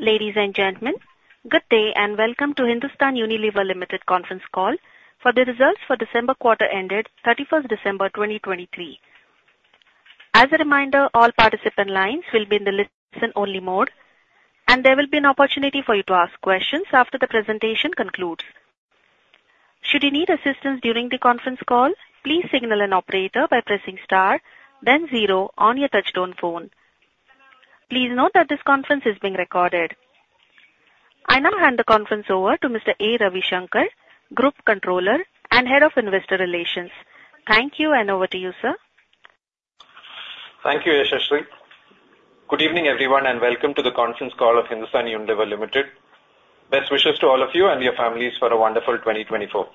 Ladies, and gentlemen, good day, and welcome to Hindustan Unilever Limited Conference Call for the Results for December Quarter, ended 31st December 2023. As a reminder, all participant lines will be in the listen-only mode, and there will be an opportunity for you to ask questions after the presentation concludes. Should you need assistance during the conference call, please signal an operator by pressing Star, then zero on your touchtone phone. Please note that this conference is being recorded. I now hand the conference over to Mr. A. Ravishankar, Group Controller and Head of Investor Relations. Thank you, and over to you, sir. Thank you, Yashashri. Good evening, everyone, and welcome to the conference call of Hindustan Unilever Limited. Best wishes to all of you and your families for a wonderful 2024.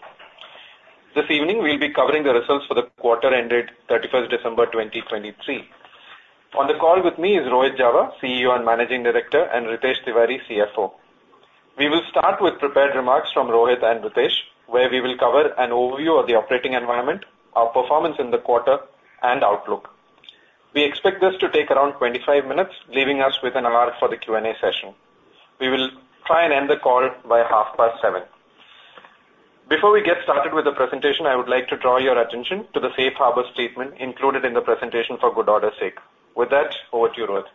This evening, we'll be covering the results for the quarter ended 31st of December 2023. On the call with me is Rohit Jawa, CEO and Managing Director, and Ritesh Tiwari, CFO. We will start with prepared remarks from Rohit and Ritesh, where we will cover an overview of the operating environment, our performance in the quarter, and outlook. We expect this to take around 25 minutes, leaving us with an hour for the Q&A session. We will try and end the call by 7:30 P.M. Before we get started with the presentation, I would like to draw your attention to the safe harbor statement included in the presentation for good order sake. With that, over to you, Rohit.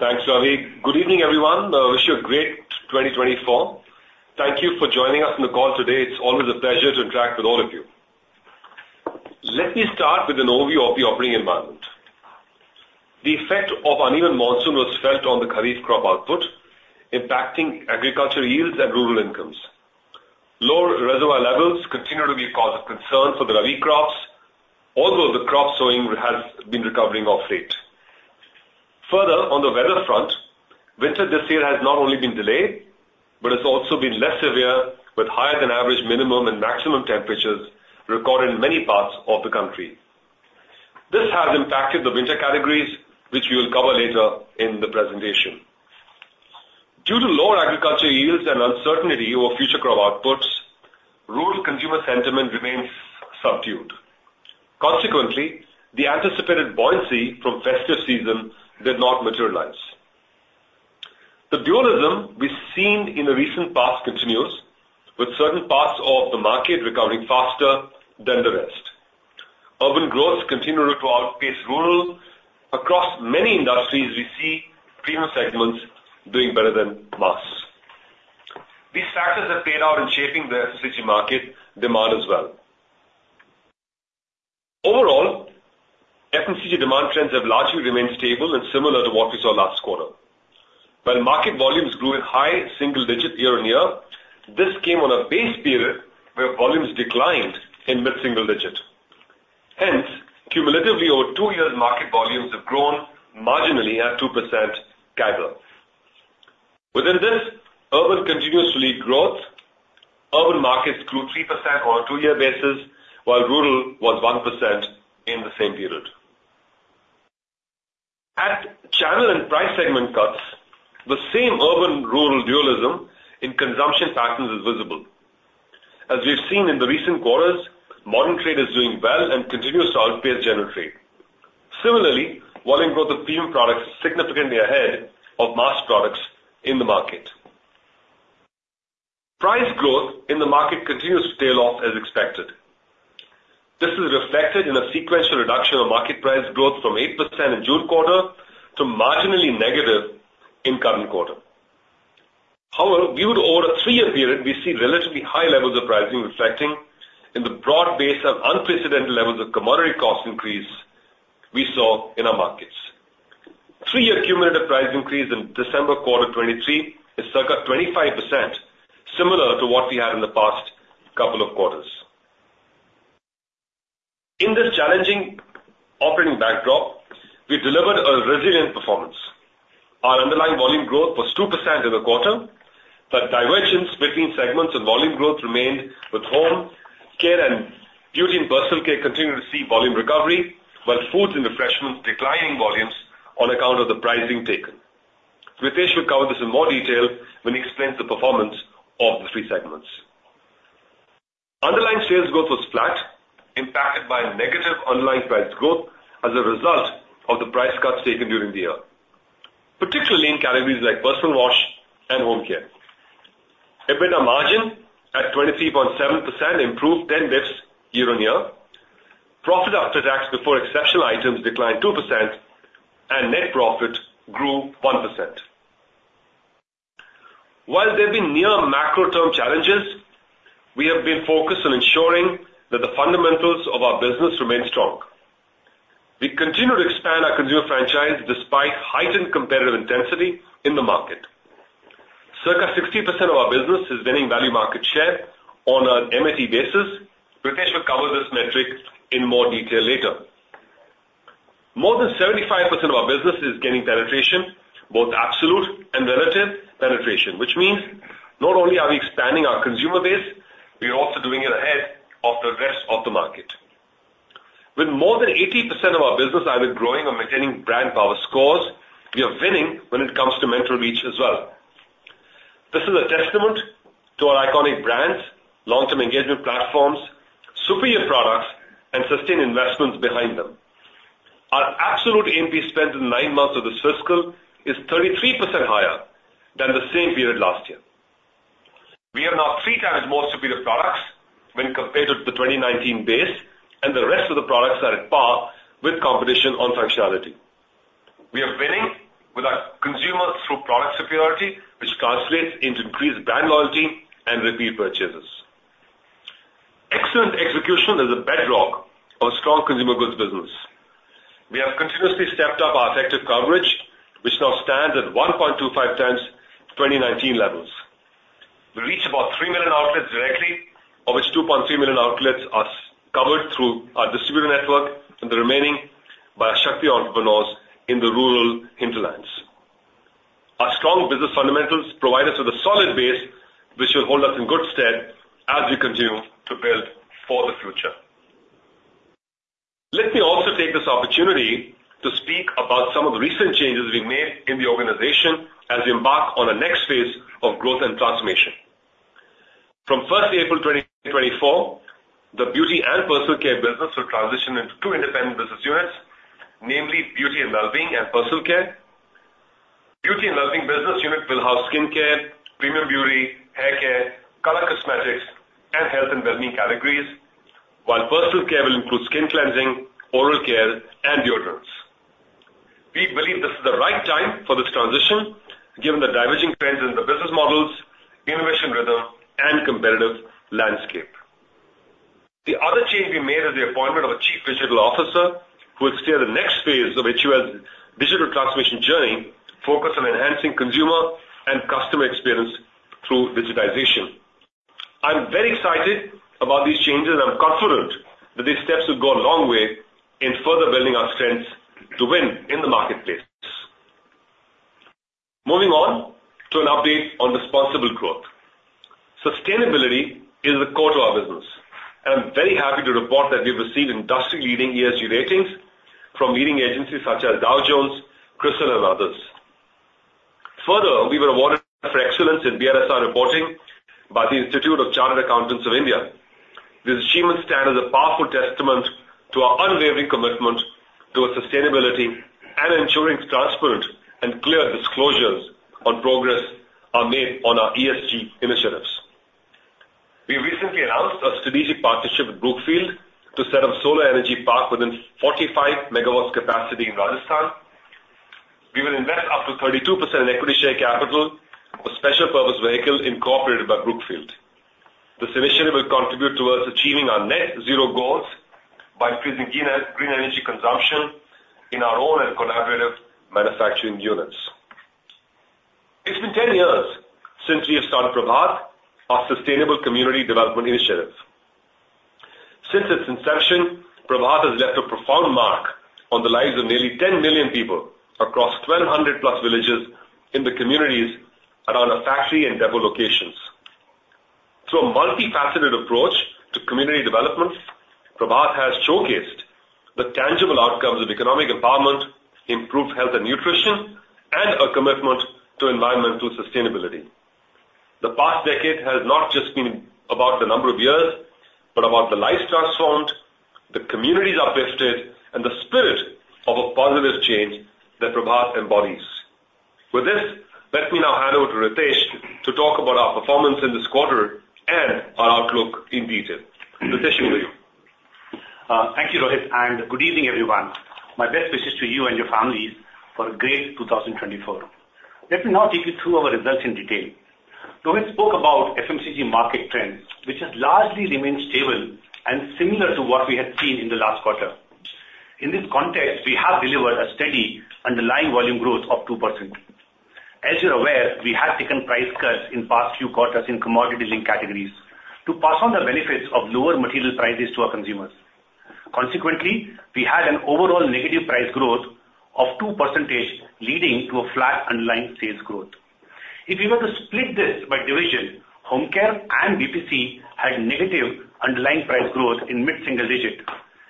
Thanks, Ravi. Good evening, everyone. I wish you a great 2024. Thank you for joining us on the call today. It's always a pleasure to interact with all of you. Let me start with an overview of the operating environment. The effect of uneven monsoon was felt on the kharif crop output, impacting agriculture yields and rural incomes. Lower reservoir levels continue to be a cause of concern for the rabi crops, although the crop sowing has been recovering of late. Further, on the weather front, winter this year has not only been delayed, but it's also been less severe, with higher than average minimum and maximum temperatures recorded in many parts of the country. This has impacted the winter categories, which we will cover later in the presentation. Due to lower agriculture yields and uncertainty over future crop outputs, rural consumer sentiment remains subdued. Consequently, the anticipated buoyancy from festive season did not materialize. The dualism we've seen in the recent past continues, with certain parts of the market recovering faster than the rest. Urban growth continue to outpace rural. Across many industries, we see premium segments doing better than mass. These factors have played out in shaping the FMCG market demand as well. Overall, FMCG demand trends have largely remained stable and similar to what we saw last quarter. While market volumes grew at high single-digit year-on-year, this came on a base period where volumes declined in mid-single-digit. Hence, cumulatively, over two years, market volumes have grown marginally at 2% CAGR. Within this, urban continues to lead growth. Urban markets grew 3% on a two-year basis, while rural was 1% in the same period. At channel and price segment cuts, the same urban, rural dualism in consumption patterns is visible. As we've seen in the recent quarters, Modern Trade is doing well and continues to outpace General Trade. Similarly, volume growth of premium products is significantly ahead of mass products in the market. Price growth in the market continues to tail off as expected. This is reflected in a sequential reduction of market price growth from 8% in June quarter to marginally negative in current quarter. However, viewed over a three-year period, we see relatively high levels of pricing, reflecting in the broad base of unprecedented levels of commodity cost increase we saw in our markets. Three-year cumulative price increase in December quarter 2023 is circa 25%, similar to what we had in the past couple of quarters. In this challenging operating backdrop, we delivered a resilient performance. Our underlying volume growth was 2% in the quarter, but divergence between segments of volume growth remained, with Home Care, Beauty and Personal Care continuing to see volume recovery, while Foods and Refreshment declining volumes on account of the pricing taken. Ritesh will cover this in more detail when he explains the performance of the three segments. Underlying sales growth was flat, impacted by negative underlying price growth as a result of the price cuts taken during the year, particularly in categories like personal wash and Home Care. EBITDA margin at 23.7% improved 10 basis points year-on-year. Profit after tax, before exceptional items declined 2% and net profit grew 1%. While there have been near macro-term challenges, we have been focused on ensuring that the fundamentals of our business remain strong. We continue to expand our consumer franchise despite heightened competitive intensity in the market. Circa 60% of our business is winning value market share on an MAT basis. Ritesh will cover this metric in more detail later. More than 75% of our business is gaining penetration, both absolute and relative penetration, which means not only are we expanding our consumer base, we are also doing it ahead of the rest of the market. With more than 80% of our business either growing or maintaining brand power scores, we are winning when it comes to mental reach as well. This is a testament to our iconic brands, long-term engagement platforms, sustained investments behind them. Our absolute A&P spend in nine months of this fiscal is 33% higher than the same period last year. We have now three times more superior products when compared to the 2019 base, and the rest of the products are at par with competition on functionality. We are winning with our consumers through product superiority, which translates into increased brand loyalty and repeat purchases. Excellent execution is the bedrock of a strong consumer goods business. We have continuously stepped up our effective coverage, which now stands at 1.25 times 2019 levels. We reach about 3 million outlets directly, of which 2.3 million outlets are covered through our distributor network, and the remaining by our Shakti entrepreneurs in the rural hinterlands. Our strong business fundamentals provide us with a solid base, which will hold us in good stead as we continue to build for the future. Let me also take this opportunity to speak about some of the recent changes we made in the organization as we embark on the next phase of growth and transformation. From first April 2024, Beauty and Personal Care business will transition into two independent business units, namely, Beauty & Wellbeing, and Personal Care. Beauty & Wellbeing business unit will house skincare, premium beauty, haircare, color cosmetics, and health and wellbeing categories, while Personal Care will include skin cleansing, oral care, and deodorants. We believe this is the right time for this transition, given the diverging trends in the business models, innovation rhythm, and competitive landscape. The other change we made is the appointment of a Chief Digital Officer, who will steer the next phase of HUL's digital transformation journey, focused on enhancing consumer and customer experience through digitization. I'm very excited about these changes, and I'm confident that these steps will go a long way in further building our strengths to win in the marketplace. Moving on to an update on responsible growth. Sustainability is the core to our business, and I'm very happy to report that we've received industry-leading ESG ratings from leading agencies such as Dow Jones, CRISIL, and others. Further, we were awarded for excellence in BRSR reporting by the Institute of Chartered Accountants of India. This achievement stands as a powerful testament to our unwavering commitment towards sustainability and ensuring transparent and clear disclosures on progress are made on our ESG initiatives. We recently announced a strategic partnership with Brookfield to set up solar energy park within 45 MW capacity in Rajasthan. We will invest up to 32% in equity share capital for special purpose vehicle incorporated by Brookfield. This initiative will contribute towards achieving our net zero goals by increasing green, green energy consumption in our own and collaborative manufacturing units. It's been 10 years since we have started Prabhat, our sustainable community development initiative. Since its inception, Prabhat has left a profound mark on the lives of nearly 10 million people across 1,200+ villages in the communities around our factory and depot locations. Through a multifaceted approach to community development, Prabhat has showcased the tangible outcomes of economic empowerment, improved health and nutrition, and a commitment to environmental sustainability. The past decade has not just been about the number of years, but about the lives transformed, the communities uplifted, and the spirit of a positive change that Prabhat embodies. With this, let me now hand over to Ritesh to talk about our performance in this quarter and our outlook in detail. Ritesh, over to you. Thank you, Rohit, and good evening, everyone. My best wishes to you and your families for a great 2024. Let me now take you through our results in detail. Rohit spoke about FMCG market trends, which has largely remained stable and similar to what we had seen in the last quarter. In this context, we have delivered a steady underlying volume growth of 2%. As you're aware, we have taken price cuts in past few quarters in commodity-linked categories to pass on the benefits of lower material prices to our consumers. Consequently, we had an overall negative price growth of 2%, leading to a flat underlying sales growth. If you were to split this by division, Home Care and BPC had negative underlying price growth in mid-single digit.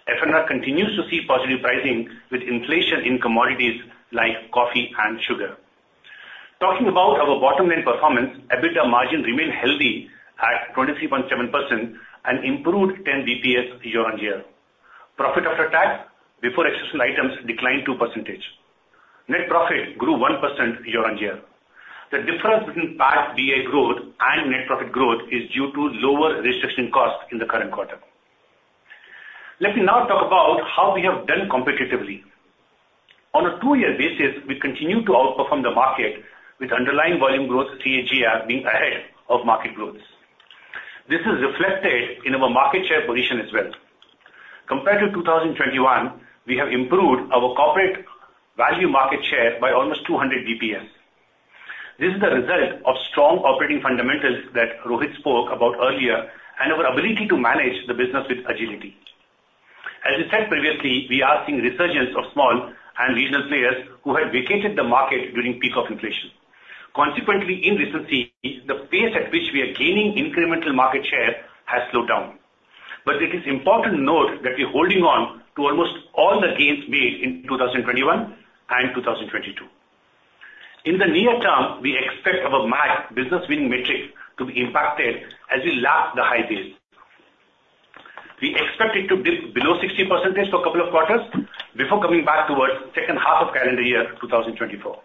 F&R continues to see positive pricing with inflation in commodities like coffee and sugar. Talking about our bottom line performance, EBITDA margin remained healthy at 23.7% and improved 10 basis points year-on-year. Profit after tax, before exceptional items, declined 2%. Net profit grew 1% year-on-year. The difference between PAT (bei) growth and net profit growth is due to lower restructuring costs in the current quarter. Let me now talk about how we have done competitively. On a two year basis, we continue to outperform the market, with underlying volume growth CAGR being ahead of market growth. This is reflected in our market share position as well. Compared to 2021, we have improved our corporate value market share by almost 200 basis points. This is the result of strong operating fundamentals that Rohit spoke about earlier, and our ability to manage the business with agility. As I said previously, we are seeing resurgence of small and regional players who had vacated the market during peak of inflation. Consequently, in recency, the pace at which we are gaining incremental market share has slowed down. But it is important to note that we're holding on to almost all the gains made in 2021 and 2022. In the near term, we expect our MAT Business Winning metric to be impacted as we lap the high base. We expect it to dip below 60% for a couple of quarters before coming back towards second half of calendar year 2024.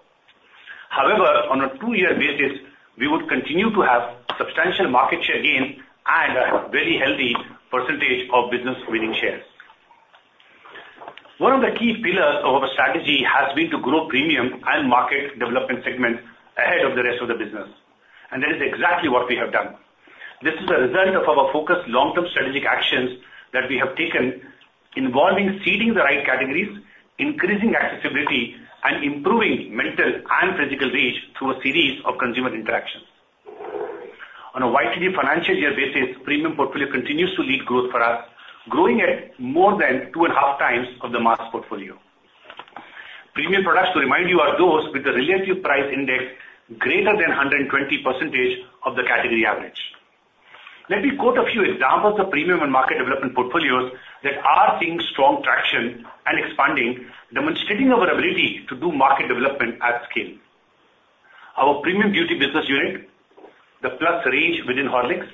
However, on a two-year basis, we would continue to have substantial market share gain and a very healthy percentage of business winning shares. One of the key pillars of our strategy has been to grow premium and market development segment ahead of the rest of the business, and that is exactly what we have done. This is a result of our focused long-term strategic actions that we have taken involving seeding the right categories, increasing accessibility, and improving mental and physical reach through a series of consumer interactions. On a YTD financial year basis, premium portfolio continues to lead growth for us, growing at more than 2.5x of the mass portfolio. Premium products, to remind you, are those with a relative price index greater than 120% of the category average. Let me quote a few examples of premium and market development portfolios that are seeing strong traction and expanding, demonstrating our ability to do market development at scale. Our premium beauty business unit, the Plus range within Horlicks,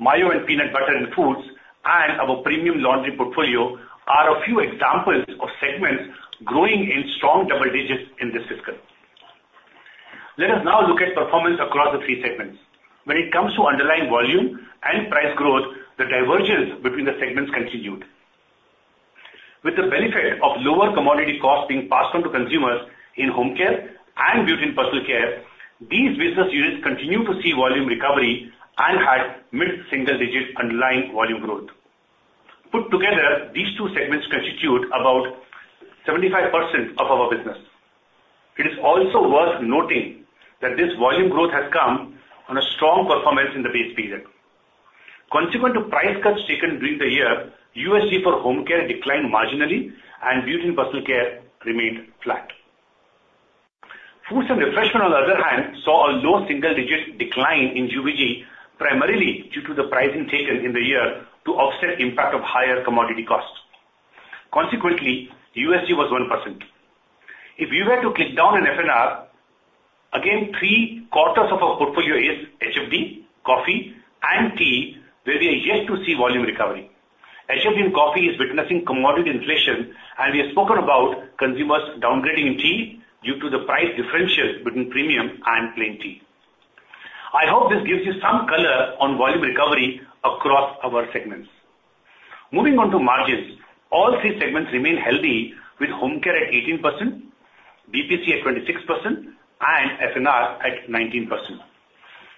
mayo and peanut butter in foods, and our premium laundry portfolio are a few examples of segments growing in strong double digits in this fiscal. Let us now look at performance across the three segments. When it comes to underlying volume and price growth, the divergence between the segments continued. With the benefit of lower commodity costs being passed on to consumers in Home Care, Beauty and Personal Care, these business units continue to see volume recovery and had mid-single digit underlying volume growth. Put together, these two segments constitute about 75% of our business. It is also worth noting that this volume growth has come on a strong performance in the base period. Consequent to price cuts taken during the year, USG for Home Care declined marginally Beauty and Personal Care remained flat. Foods and Refreshment, on the other hand, saw a low single-digit decline in UVG, primarily due to the pricing taken in the year to offset impact of higher commodity costs. Consequently, USG was 1%. If you were to get down in F&R, again, three quarters of our portfolio is HFD, coffee, and tea, where we are yet to see volume recovery. HFD and coffee is witnessing commodity inflation, and we have spoken about consumers downgrading in tea due to the price differential between premium and plain tea. I hope this gives you some color on volume recovery across our segments. Moving on to margins, all three segments remain healthy, with Home Care at 18%, BPC at 26%, and F&R at 19%.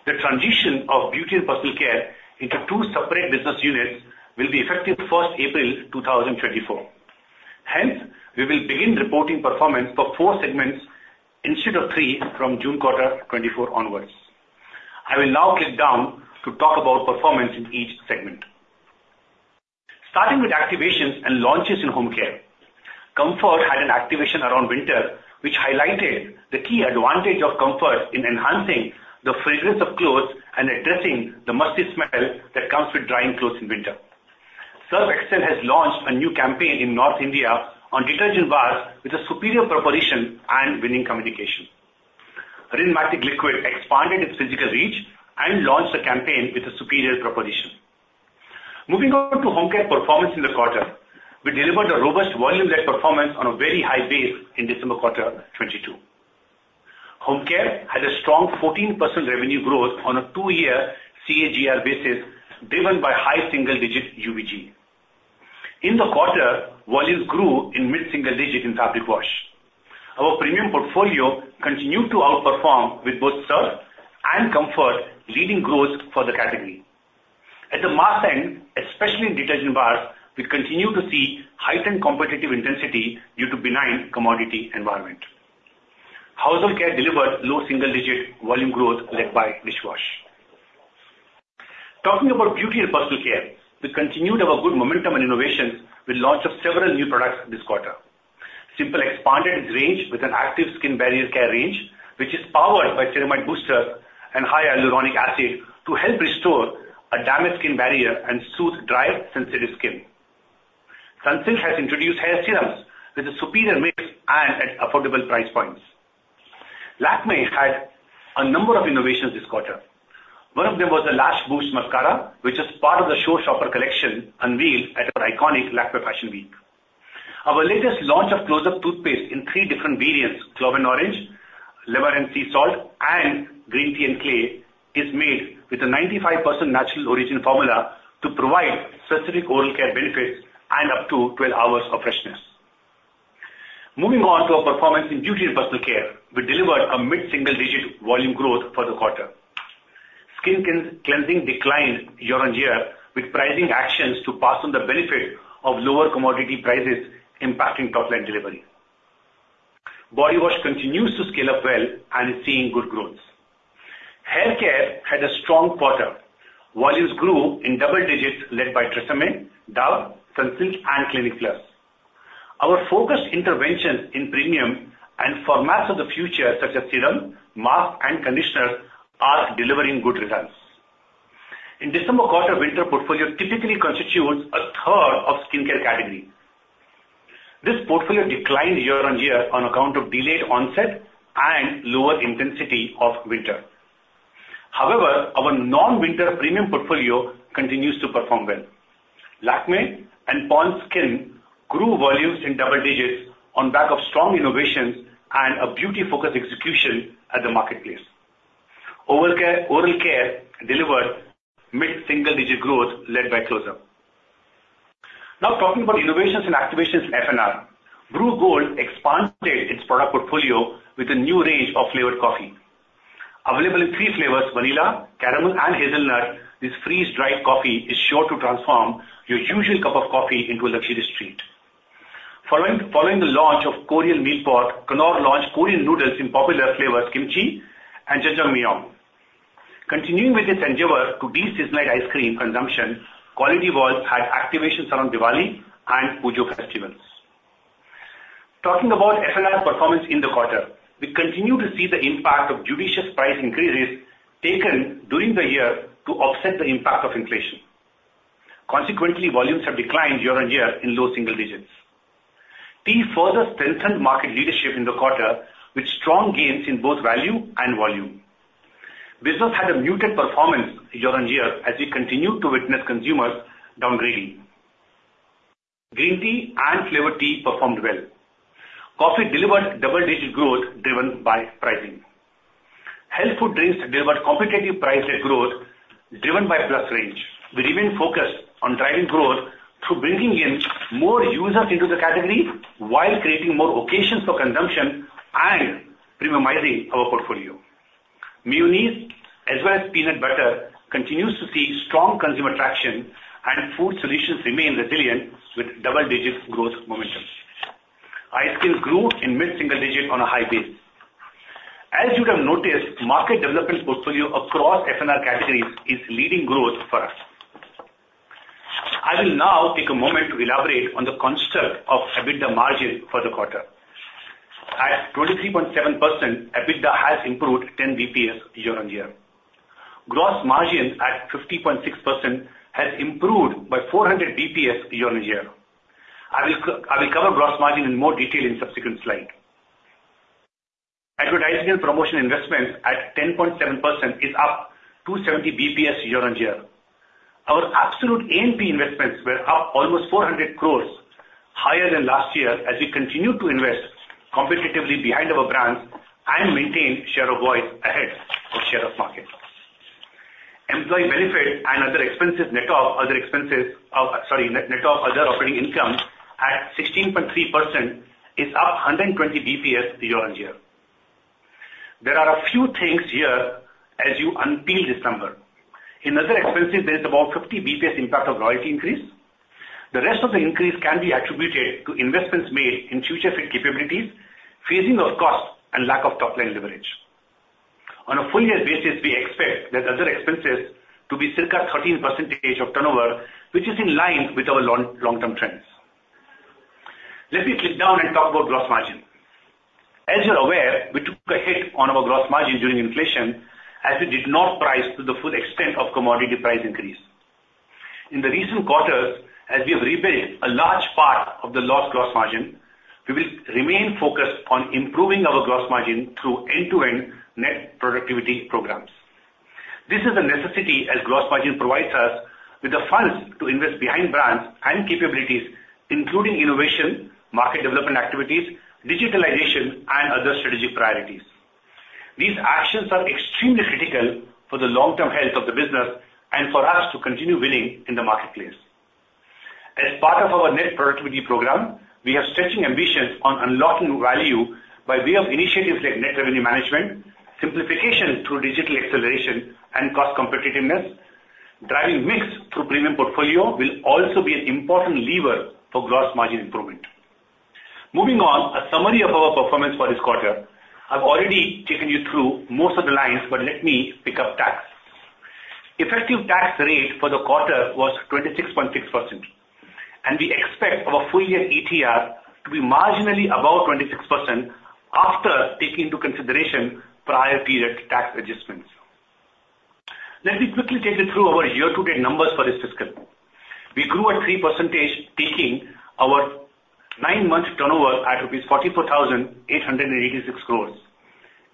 The transition Beauty and Personal Care into two separate business units will be effective 1st of April 2024. Hence, we will begin reporting performance for four segments instead of three from June quarter 2024 onwards. I will now get down to talk about performance in each segment. Starting with activations and launches in Home Care. Comfort had an activation around winter, which highlighted the key advantage of Comfort in enhancing the fragrance of clothes and addressing the musty smell that comes with drying clothes in winter. Surf Excel has launched a new campaign in North India on detergent bars with a superior proposition and winning communication. Rin Matic Liquid expanded its physical reach and launched a campaign with a superior proposition. Moving on to Home Care performance in the quarter. We delivered a robust volume-led performance on a very high base in December quarter 2022. Home Care had a strong 14% revenue growth on a two year CAGR basis, driven by high single-digit UVG. In the quarter, volumes grew in mid-single digit in fabric wash. Our premium portfolio continued to outperform with both Surf and Comfort leading growth for the category. At the mass end, especially in detergent bars, we continue to see heightened competitive intensity due to benign commodity environment. Household care delivered low single-digit volume growth, led by dishwash. Talking Beauty and Personal Care, we continued our good momentum and innovation with launch of several new products this quarter. Simple expanded its range with an Active Skin Barrier Care range, which is powered by ceramide booster and high hyaluronic acid to help restore a damaged skin barrier and soothe dry, sensitive skin. Sunsilk has introduced hair serums with a superior mix and at affordable price points. Lakmé had a number of innovations this quarter. One of them was the Lash Boost Mascara, which is part of the Showstopper collection unveiled at our iconic Lakmé Fashion Week. Our latest launch of Closeup toothpaste in three different variants, clove and orange, lemon and sea salt, and green tea and clay, is made with a 95% natural origin formula to provide specific oral care benefits and up to 12 hours of freshness. Moving on to our performance Beauty and Personal Care, we delivered a mid-single digit volume growth for the quarter. Skin cleansing declined year-on-year, with pricing actions to pass on the benefit of lower commodity prices impacting top-line delivery. Body wash continues to scale up well and is seeing good growth. Hair care had a strong quarter. Volumes grew in double digits, led by TRESemmé, Dove, Sunsilk, and Clinic Plus. Our focused interventions in premium and for markets of the future, such as serum, mask, and conditioner, are delivering good results. In December quarter, winter portfolio typically constitutes a third of skin care category. This portfolio declined year-on-year on account of delayed onset and lower intensity of winter. However, our non-winter premium portfolio continues to perform well. Lakmé and Pond's skin grew volumes in double digits on back of strong innovations and a beauty-focused execution at the marketplace. Oral care delivered mid-single-digit growth, led by Closeup. Now talking about innovations and activations F&R. Bru Gold expanded its product portfolio with a new range of flavored coffee. Available in three flavors, vanilla, caramel, and hazelnut, this freeze-dried coffee is sure to transform your usual cup of coffee into a luxury treat. Following the launch of Korean Meal Pot, Knorr launched Korean noodles in popular flavors, kimchi and jjajangmyeon. Continuing with its endeavor to de-seasonalize ice cream consumption, Kwality Wall's had activations around Diwali and Puja festivals. Talking about F&R performance in the quarter, we continue to see the impact of judicious price increases taken during the year to offset the impact of inflation. Consequently, volumes have declined year-on-year in low single digits. Tea further strengthened market leadership in the quarter, with strong gains in both value and volume. Business had a muted performance year-on-year, as we continued to witness consumers downgrading. Green tea and flavored tea performed well. Coffee delivered double-digit growth, driven by pricing. Health food drinks delivered competitive price growth, driven by Plus range. We remain focused on driving growth through bringing in more users into the category, while creating more occasions for consumption and premiumizing our portfolio. Mayonnaise, as well as peanut butter, continues to see strong consumer traction, and food solutions remain resilient with double-digit growth momentum. Ice cream grew in mid-single digit on a high base. As you would have noticed, market development portfolio across F&R categories is leading growth for us. I will now take a moment to elaborate on the construct of EBITDA margin for the quarter. At 23.7%, EBITDA has improved 10 basis points year-on-year. Gross margin, at 50.6%, has improved by 400 basis points year-on-year. I will cover gross margin in more detail in subsequent slide. Advertising and promotion investments at 10.7% is up 270 basis points year-on-year. Our absolute A&P investments were up almost 400 crore, higher than last year, as we continued to invest competitively behind our brands and maintain share of voice ahead of share of market. Employee benefit and other expenses, net of other expenses of... Sorry, net, net of other operating income at 16.3%, is up 120 basis points year-on-year. There are a few things here as you unpeel this number. In other expenses, there is about 50 basis points impact of royalty increase. The rest of the increase can be attributed to investments made in future-fit capabilities, phasing of cost, and lack of top-line leverage. On a full year basis, we expect that other expenses to be circa 13% of turnover, which is in line with our long, long-term trends. Let me click down and talk about gross margin. As you're aware, we took a hit on our gross margin during inflation, as we did not price to the full extent of commodity price increase. In the recent quarters, as we have repaid a large part of the lost gross margin, we will remain focused on improving our gross margin through end-to-end net productivity programs. This is a necessity as gross margin provides us with the funds to invest behind brands and capabilities, including innovation, market development activities, digitalization, and other strategic priorities. These actions are extremely critical for the long-term health of the business and for us to continue winning in the marketplace. As part of our net productivity program, we are stretching ambitions on unlocking value by way of initiatives like Net Revenue Management, simplification through digital acceleration and cost competitiveness. Driving mix through premium portfolio will also be an important lever for gross margin improvement. Moving on, a summary of our performance for this quarter. I've already taken you through most of the lines, but let me pick up tax. Effective tax rate for the quarter was 26.6%, and we expect our full year ETR to be marginally above 26% after taking into consideration prior period tax adjustments. Let me quickly take you through our year-to-date numbers for this fiscal. We grew at 3%, taking our nine-month turnover at rupees 44,886 crores.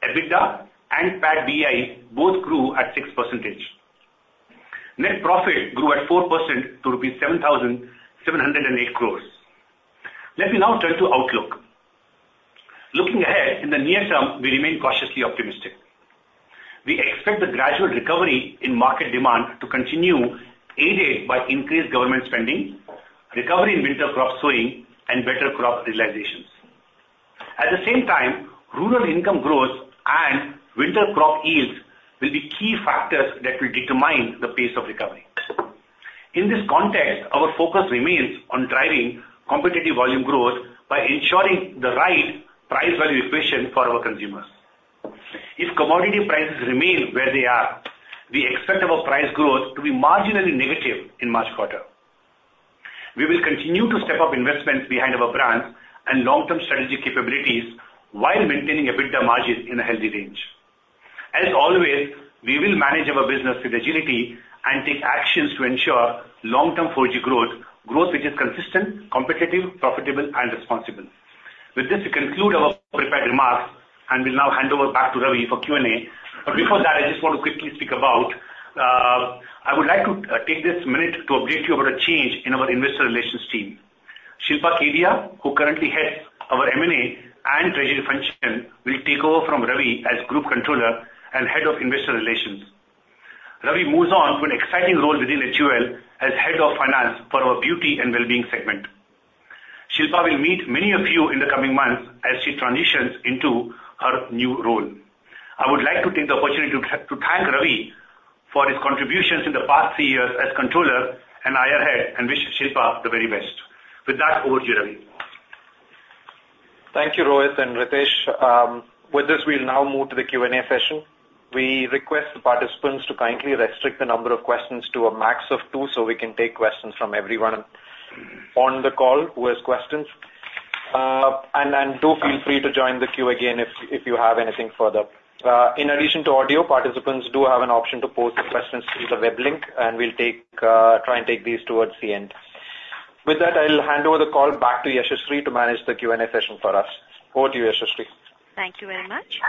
EBITDA and PAT (bei) both grew at 6%. Net profit grew at 4% to 7,708 crores. Let me now turn to outlook. Looking ahead, in the near term, we remain cautiously optimistic. We expect the gradual recovery in market demand to continue, aided by increased government spending, recovery in winter crop sowing, and better crop realizations. At the same time, rural income growth and winter crop yields will be key factors that will determine the pace of recovery. In this context, our focus remains on driving competitive volume growth by ensuring the right price-value equation for our consumers. If commodity prices remain where they are, we expect our price growth to be marginally negative in March quarter. We will continue to step up investments behind our brands and long-term strategic capabilities while maintaining EBITDA margins in a healthy range. As always, we will manage our business with agility and take actions to ensure long-term 4G growth, growth which is consistent, competitive, profitable, and responsible. With this, we conclude our prepared remarks, and we'll now hand over back to Ravi for Q&A. But before that, I just want to quickly speak about, I would like to take this minute to update you about a change in our Investor Relations team. Shilpa Kedia, who currently heads our M&A and treasury function, will take over from Ravi as Group Controller and Head of Investor Relations. Ravi moves on to an exciting role within HUL as Head of Finance for our Beauty & Wellbeing segment. Shilpa will meet many of you in the coming months as she transitions into her new role. I would like to take the opportunity to thank Ravi for his contributions in the past three years as controller and IR head, and wish Shilpa the very best. With that, over to you, Ravi. Thank you, Rohit and Ritesh. With this, we'll now move to the Q&A session. We request the participants to kindly restrict the number of questions to a max of two, so we can take questions from everyone on the call who has questions. And do feel free to join the queue again if you, if you have anything further. In addition to audio, participants do have an option to post the questions through the web link, and we'll take, try and take these towards the end. With that, I'll hand over the call back to Yashashri to manage the Q&A session for us. Over to you, Yashashri. Thank you very much.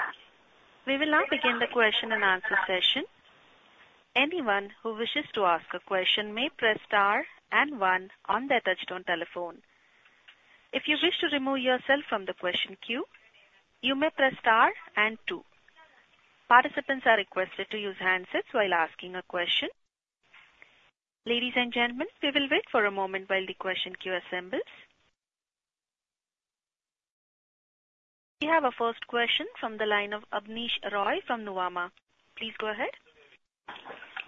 We will now begin the question-and-answer session. Anyone who wishes to ask a question may press star and one on their touchtone telephone. If you wish to remove yourself from the question queue, you may press star and two. Participants are requested to use handsets while asking a question. Ladies, and gentlemen, we will wait for a moment while the question queue assembles. We have our first question from the line of Abneesh Roy from Nuvama. Please go ahead.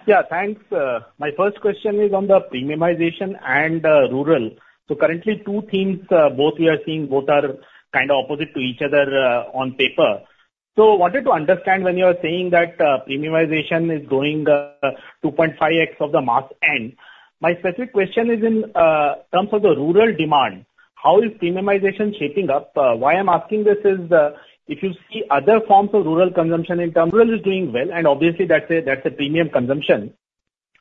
Yeah, thanks. My first question is on the premiumization and rural. So currently, two things, both we are seeing, both are kind of opposite to each other, on paper. So I wanted to understand when you are saying that premiumization is growing 2.5x of the mass end. My specific question is in terms of the rural demand, how is premiumization shaping up? Why I'm asking this is, if you see other forms of rural consumption in terms, rural is doing well, and obviously that's a, that's a premium consumption,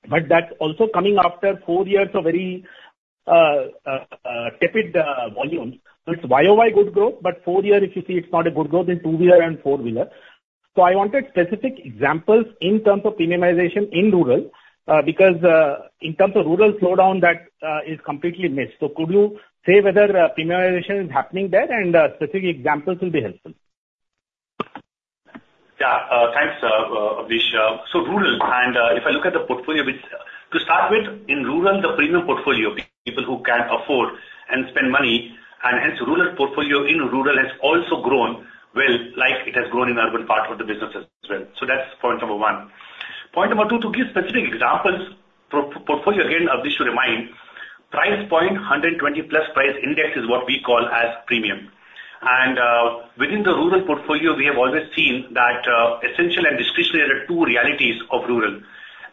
but that's also coming after four years of very tepid volumes. So it's YoY good growth, but four year, if you see it's not a good growth in two-wheeler and four-wheeler. So I wanted specific examples in terms of premiumization in rural, because, in terms of rural slowdown, that is completely missed. So could you say whether premiumization is happening there and specific examples will be helpful? Yeah, thanks, Abneesh. So rural, and if I look at the portfolio, which... To start with, in rural, the premium portfolio, people who can afford and spend money, and hence rural portfolio in rural has also grown well, like it has grown in urban part of the business as well. So that's point number one. Point number two, to give specific examples, portfolio, again, Abneesh, to remind, price point 120+ price index is what we call as premium. And within the rural portfolio, we have always seen that essential and discretionary are the two realities of rural.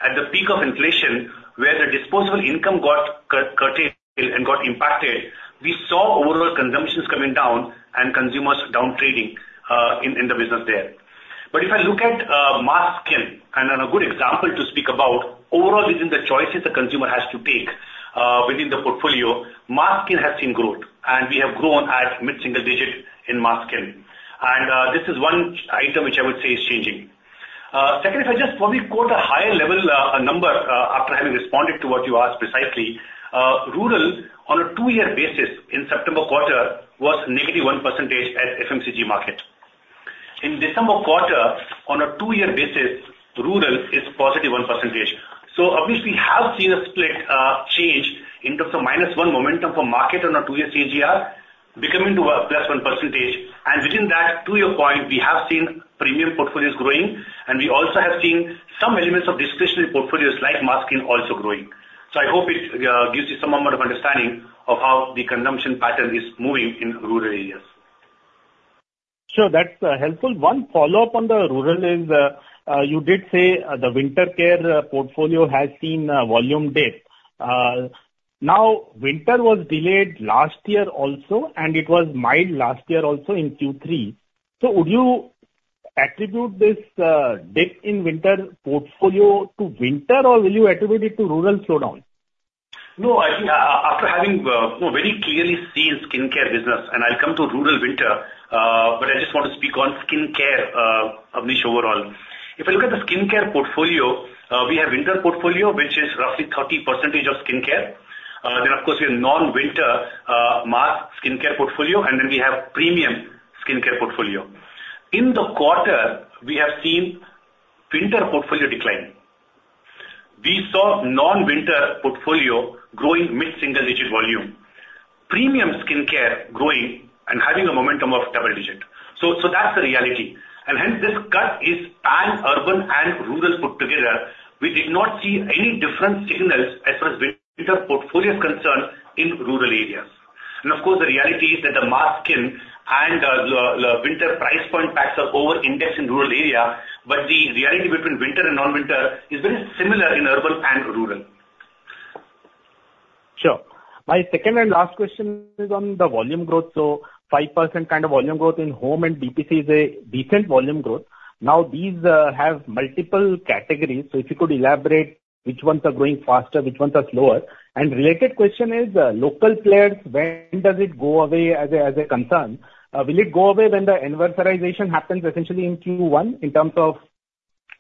At the peak of inflation, where the disposable income got curtailed and got impacted, we saw overall consumptions coming down and consumers downtrading in the business there. But if I look at mass skin, and a good example to speak about, overall, within the choices the consumer has to take, within the portfolio, mass skin has seen growth, and we have grown at mid-single digit in mass skin. And this is one item which I would say is changing. Second, if I just probably quote a higher level number, after having responded to what you asked precisely, rural on a two-year basis in September quarter was negative 1% at FMCG market. In December quarter, on a two-year basis, rural is positive 1%. So obviously, we have seen a split change in terms of -1 momentum for market on a two-year CAGR, becoming to a +1%. Within that, to your point, we have seen premium portfolios growing, and we also have seen some elements of discretionary portfolios like mass skin also growing. So I hope it gives you some amount of understanding of how the consumption pattern is moving in rural areas. Sure, that's helpful. One follow-up on the rural is, you did say, the winter care portfolio has seen volume dip. Now, winter was delayed last year also, and it was mild last year also in Q3. So would you attribute this dip in winter portfolio to winter, or will you attribute it to rural slowdown? No, I think, after having very clearly seen skincare business, and I'll come to rural winter, but I just want to speak on skincare, Abneesh, overall. If I look at the skincare portfolio, we have winter portfolio, which is roughly 30% of skincare. Then, of course, we have non-winter mass skincare portfolio, and then we have premium skincare portfolio. In the quarter, we have seen winter portfolio decline. We saw non-winter portfolio growing mid-single-digit volume. Premium skincare growing and having a momentum of double-digit. So that's the reality. And hence, this cut is and urban and rural put together, we did not see any different signals as far as winter portfolio is concerned in rural areas. Of course, the reality is that the mass skin and the winter price point packs are over indexed in rural area, but the reality between winter and non-winter is very similar in urban and rural. Sure. My second and last question is on the volume growth. So 5% kind of volume growth in home and BPC is a decent volume growth. Now, these have multiple categories, so if you could elaborate which ones are growing faster, which ones are slower? And related question is, local players, when does it go away as a concern? Will it go away when the anniversarization happens essentially in Q1, in terms of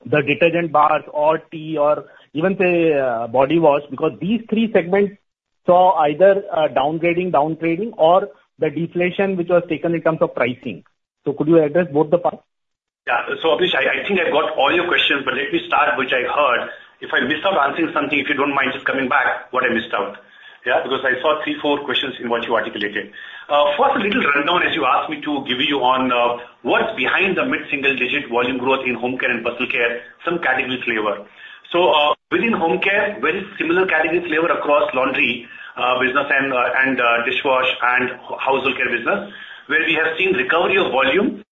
the detergent bars or tea or even, say, body wash? Because these three segments saw either downgrading, downtrading, or the deflation, which was taken in terms of pricing. So could you address both the parts? Yeah. So, Abneesh, I, I think I've got all your questions, but let me start, which I heard. If I missed out answering something, if you don't mind just coming back, what I missed out, yeah? Because I saw three, four questions in what you articulated. First, a little rundown, as you asked me to give you on what's behind the mid-single-digit volume growth in Home Care and Personal Care, some category flavor. So, within Home Care, very similar category flavor across laundry business and dishwash and household care business, where we have seen recovery of volume.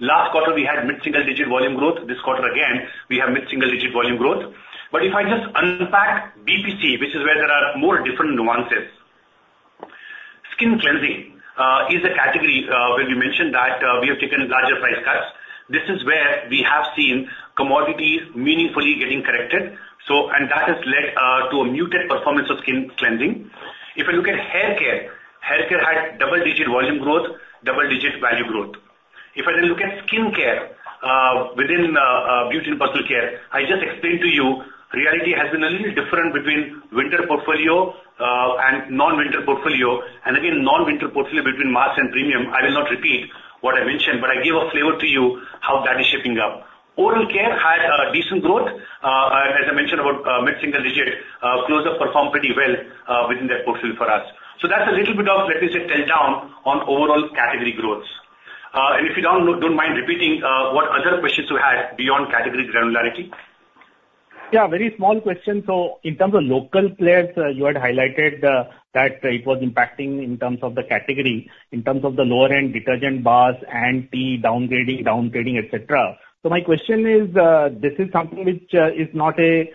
Last quarter, we had mid-single-digit volume growth. This quarter, again, we have mid-single-digit volume growth. But if I just unpack BPC, which is where there are more different nuances. Skin cleansing is a category where you mentioned that we have taken larger price cuts. This is where we have seen commodities meaningfully getting corrected. That has led to a muted performance of skin cleansing. If you look at haircare, haircare had double-digit volume growth, double-digit value growth. If I then look at skincare Beauty and Personal Care, i just explained to you, reality has been a little different between winter portfolio and non-winter portfolio, and again, non-winter portfolio between mass and premium. I will not repeat what I mentioned, but I gave a flavor to you how that is shaping up. Oral care had decent growth as I mentioned about mid-single digit. Closeup performed pretty well within that portfolio for us. So that's a little bit of, let me say, drill-down on overall category growths. And if you don't mind repeating, what other questions you had beyond category granularity? Yeah, very small question. So in terms of local players, you had highlighted that it was impacting in terms of the category, in terms of the lower-end detergent bars and tea downgrading, downtrading, et cetera. So my question is, this is something which is not a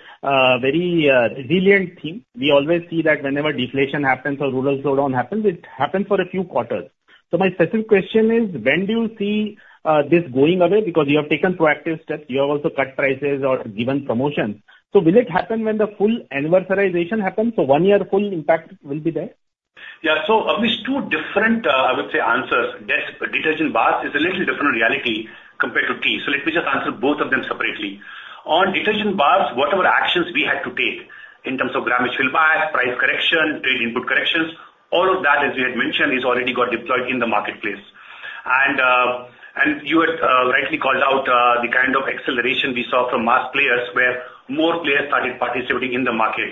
very resilient thing. We always see that whenever deflation happens or rural slowdown happens, it happens for a few quarters. So my specific question is: When do you see this going away? Because you have taken proactive steps, you have also cut prices or given promotions. So will it happen when the full anniversarization happens, so one year full impact will be there? Yeah. So, Abneesh, two different, I would say, answers. Detergent bars is a little different reality compared to tea. So let me just answer both of them separately. On detergent bars, whatever actions we had to take in terms of grammage fill back, price correction, trade input corrections, all of that, as we had mentioned, is already got deployed in the marketplace. And, and you had rightly called out the kind of acceleration we saw from mass players, where more players started participating in the market.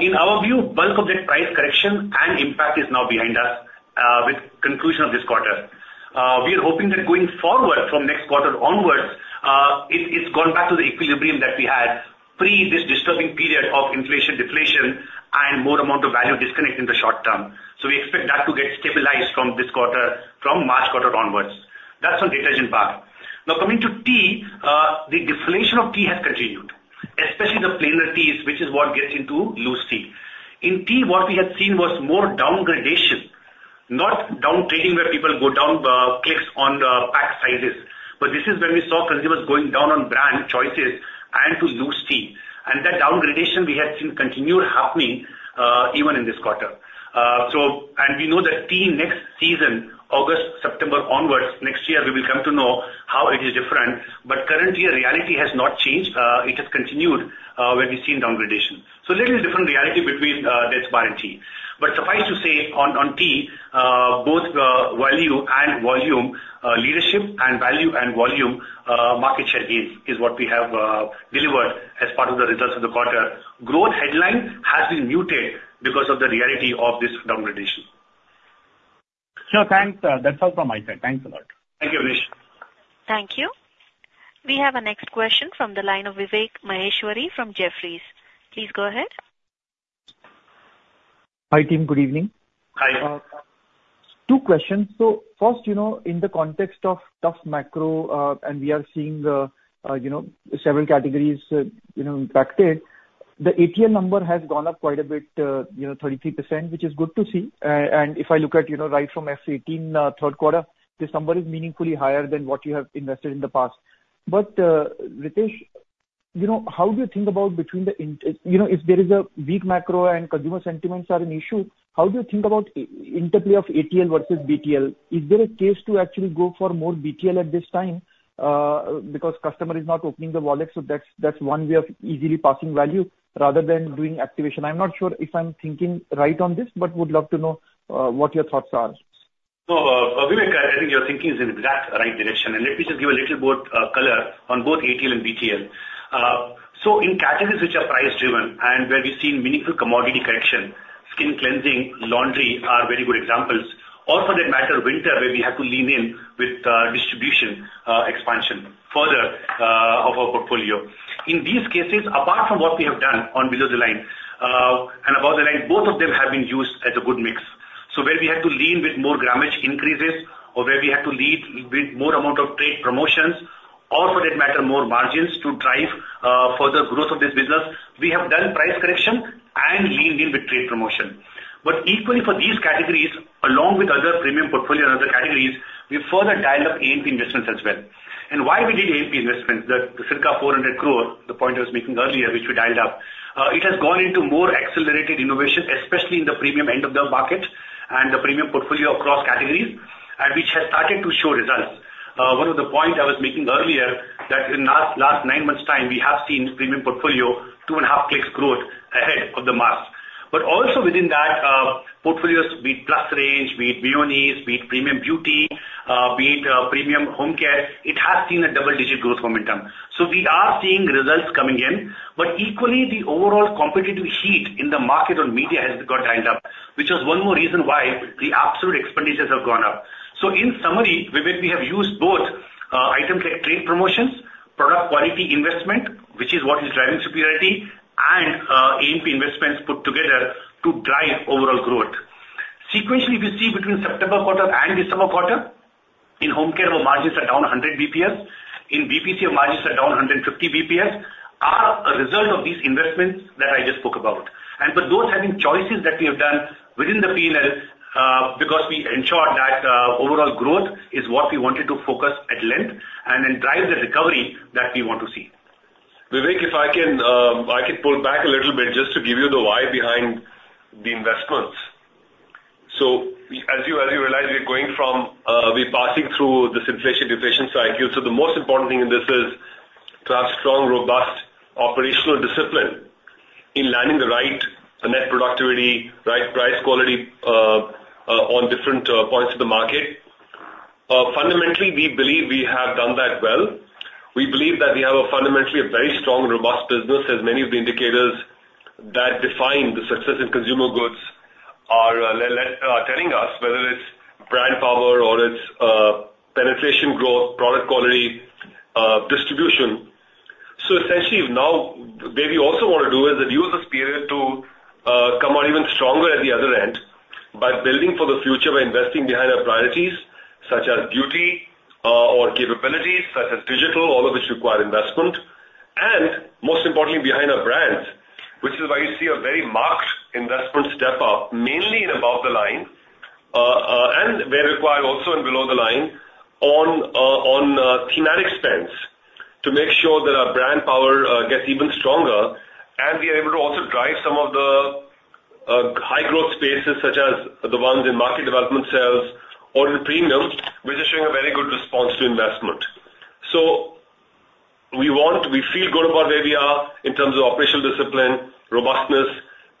In our view, bulk of that price correction and impact is now behind us with conclusion of this quarter. We are hoping that going forward, from next quarter onwards, it's gone back to the equilibrium that we had pre this disturbing period of inflation, deflation, and more amount of value disconnect in the short term. So we expect that to get stabilized from this quarter, from March quarter onwards. That's on detergent bar. Now coming to tea, the deflation of tea has continued, especially the plain teas, which is what gets into loose tea. In tea, what we had seen was more downgrading, not downtrading, where people go down the clicks on the pack sizes. But this is where we saw consumers going down on brand choices and to loose tea. And that downgrading we have seen continued happening, even in this quarter. So, and we know that tea next season, August, September onwards, next year, we will come to know how it is different. But currently, the reality has not changed, it has continued, where we've seen downgradation. So a little different reality between det bar and tea. But suffice to say, on tea, both value and volume leadership and value and volume market share gains is what we have delivered as part of the results of the quarter. Growth headline has been muted because of the reality of this downgradation. Sure, thanks. That's all from my side. Thanks a lot. Thank you, Abneesh. Thank you. We have our next question from the line of Vivek Maheshwari from Jefferies. Please go ahead. Hi, team. Good evening. Hi. Two questions. So first, you know, in the context of tough macro, and we are seeing, you know, several categories, you know, impacted, the ATL number has gone up quite a bit, you know, 33%, which is good to see. And if I look at, you know, right from FY 2018, third quarter, this number is meaningfully higher than what you have invested in the past. But, Ritesh, you know, you know, if there is a weak macro and consumer sentiments are an issue, how do you think about interplay of ATL versus BTL? Is there a case to actually go for more BTL at this time? Because customer is not opening the wallet, so that's, that's one way of easily passing value, rather than doing activation. I'm not sure if I'm thinking right on this, but would love to know what your thoughts are. So, Vivek, I think your thinking is in the exact right direction, and let me just give a little both, color on both ATL and BTL. So in categories which are price driven and where we've seen meaningful commodity correction, skin cleansing, laundry are very good examples... or for that matter, winter, where we have to lean in with distribution expansion further of our portfolio. In these cases, apart from what we have done on below the line and above the line, both of them have been used as a good mix. So where we have to lean with more grammage increases, or where we have to lead with more amount of trade promotions, or for that matter, more margins to drive further growth of this business, we have done price correction and leaned in with trade promotion. But equally for these categories, along with other premium portfolio and other categories, we further dialed up A&P investments as well. And why we did A&P investments, the circa 400 crore, the point I was making earlier, which we dialed up. It has gone into more accelerated innovation, especially in the premium end of the market and the premium portfolio across categories, and which has started to show results. One of the points I was making earlier, that in the last, last nine months' time, we have seen premium portfolio 2.5 clicks growth ahead of the mass. But also within that, portfolios, be it Plus range, be it Mayonnaise, be it Premium Beauty, be it Premium Home Care, it has seen a double-digit growth momentum. So we are seeing results coming in, but equally, the overall competitive heat in the market on media has got dialed up, which is one more reason why the absolute expenditures have gone up. So in summary, Vivek, we have used both, items like trade promotions, product quality investment, which is what is driving superiority, and, A&P investments put together to drive overall growth. Sequentially, we see between September quarter and December quarter, in Home Care, our margins are down 100 basis points. In BPC, our margins are down 150 basis points, are a result of these investments that I just spoke about. And but those having choices that we have done within the P&Ls, because we ensured that, overall growth is what we wanted to focus at length and then drive the recovery that we want to see. Vivek, if I can, I can pull back a little bit just to give you the why behind the investments. So as you, as you realize, we're going from, we're passing through this inflation deflation cycle. So the most important thing in this is to have strong, robust operational discipline in landing the right net productivity, right price quality, on different, points of the market. Fundamentally, we believe we have done that well. We believe that we have a fundamentally a very strong, robust business, as many of the indicators that define the success in consumer goods are, are telling us, whether it's brand power or it's, penetration growth, product quality, distribution. So essentially, now, what we also want to do is use this period to come out even stronger at the other end by building for the future, by investing behind our priorities, such as beauty, or capabilities, such as digital, all of which require investment, and most importantly, behind our brands. Which is why you see a very marked investment step up, mainly in above the line, and where required, also in below the line, on thematic spends, to make sure that our brand power gets even stronger, and we are able to also drive some of the high growth spaces, such as the ones in market development sales or in premium, which is showing a very good response to investment. So we want... We feel good about where we are in terms of operational discipline, robustness,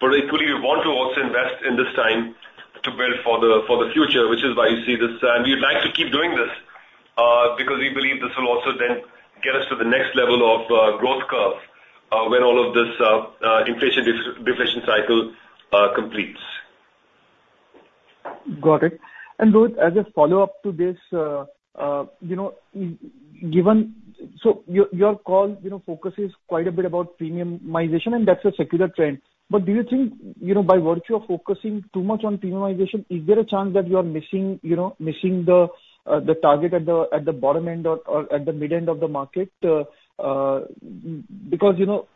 but equally, we want to also invest in this time to build for the future, which is why you see this. We'd like to keep doing this, because we believe this will also then get us to the next level of growth curve, when all of this inflation deflation cycle completes. Got it. And Rohit, as a follow-up to this, you know, So your call, you know, focuses quite a bit about premiumization, and that's a secular trend. But do you think, you know, by virtue of focusing too much on premiumization, is there a chance that you are missing, you know, the target at the bottom end or at the mid-end of the market? Because, you know,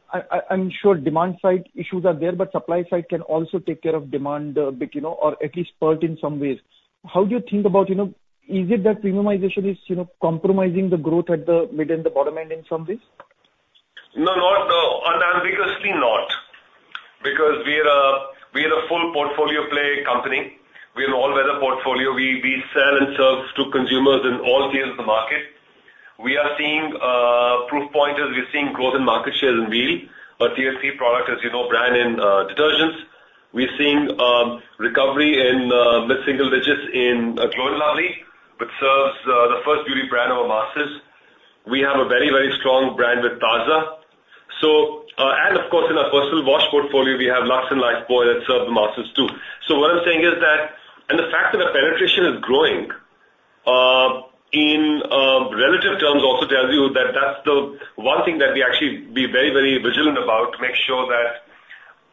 I'm sure demand side issues are there, but supply side can also take care of demand bit, you know, or at least spurt in some ways. How do you think about, you know, is it that premiumization is, you know, compromising the growth at the mid and the bottom end in some ways? No, not, unambiguously not, because we are a, we are a full portfolio play company. We are an all-weather portfolio. We, we sell and serve to consumers in all tiers of the market. We are seeing proof points, as we're seeing growth in market shares in Wheel, a LCC product, as you know, brand in detergents. We're seeing recovery in mid-single digits in Glow & Lovely, which serves the first beauty brand over masses. We have a very, very strong brand with Taaza. So, and of course, in our personal wash portfolio, we have Lux and Lifebuoy that serve the masses, too. So what I'm saying is that, and the fact that our penetration is growing in relative terms, also tells you that that's the one thing that we actually be very, very vigilant about, to make sure that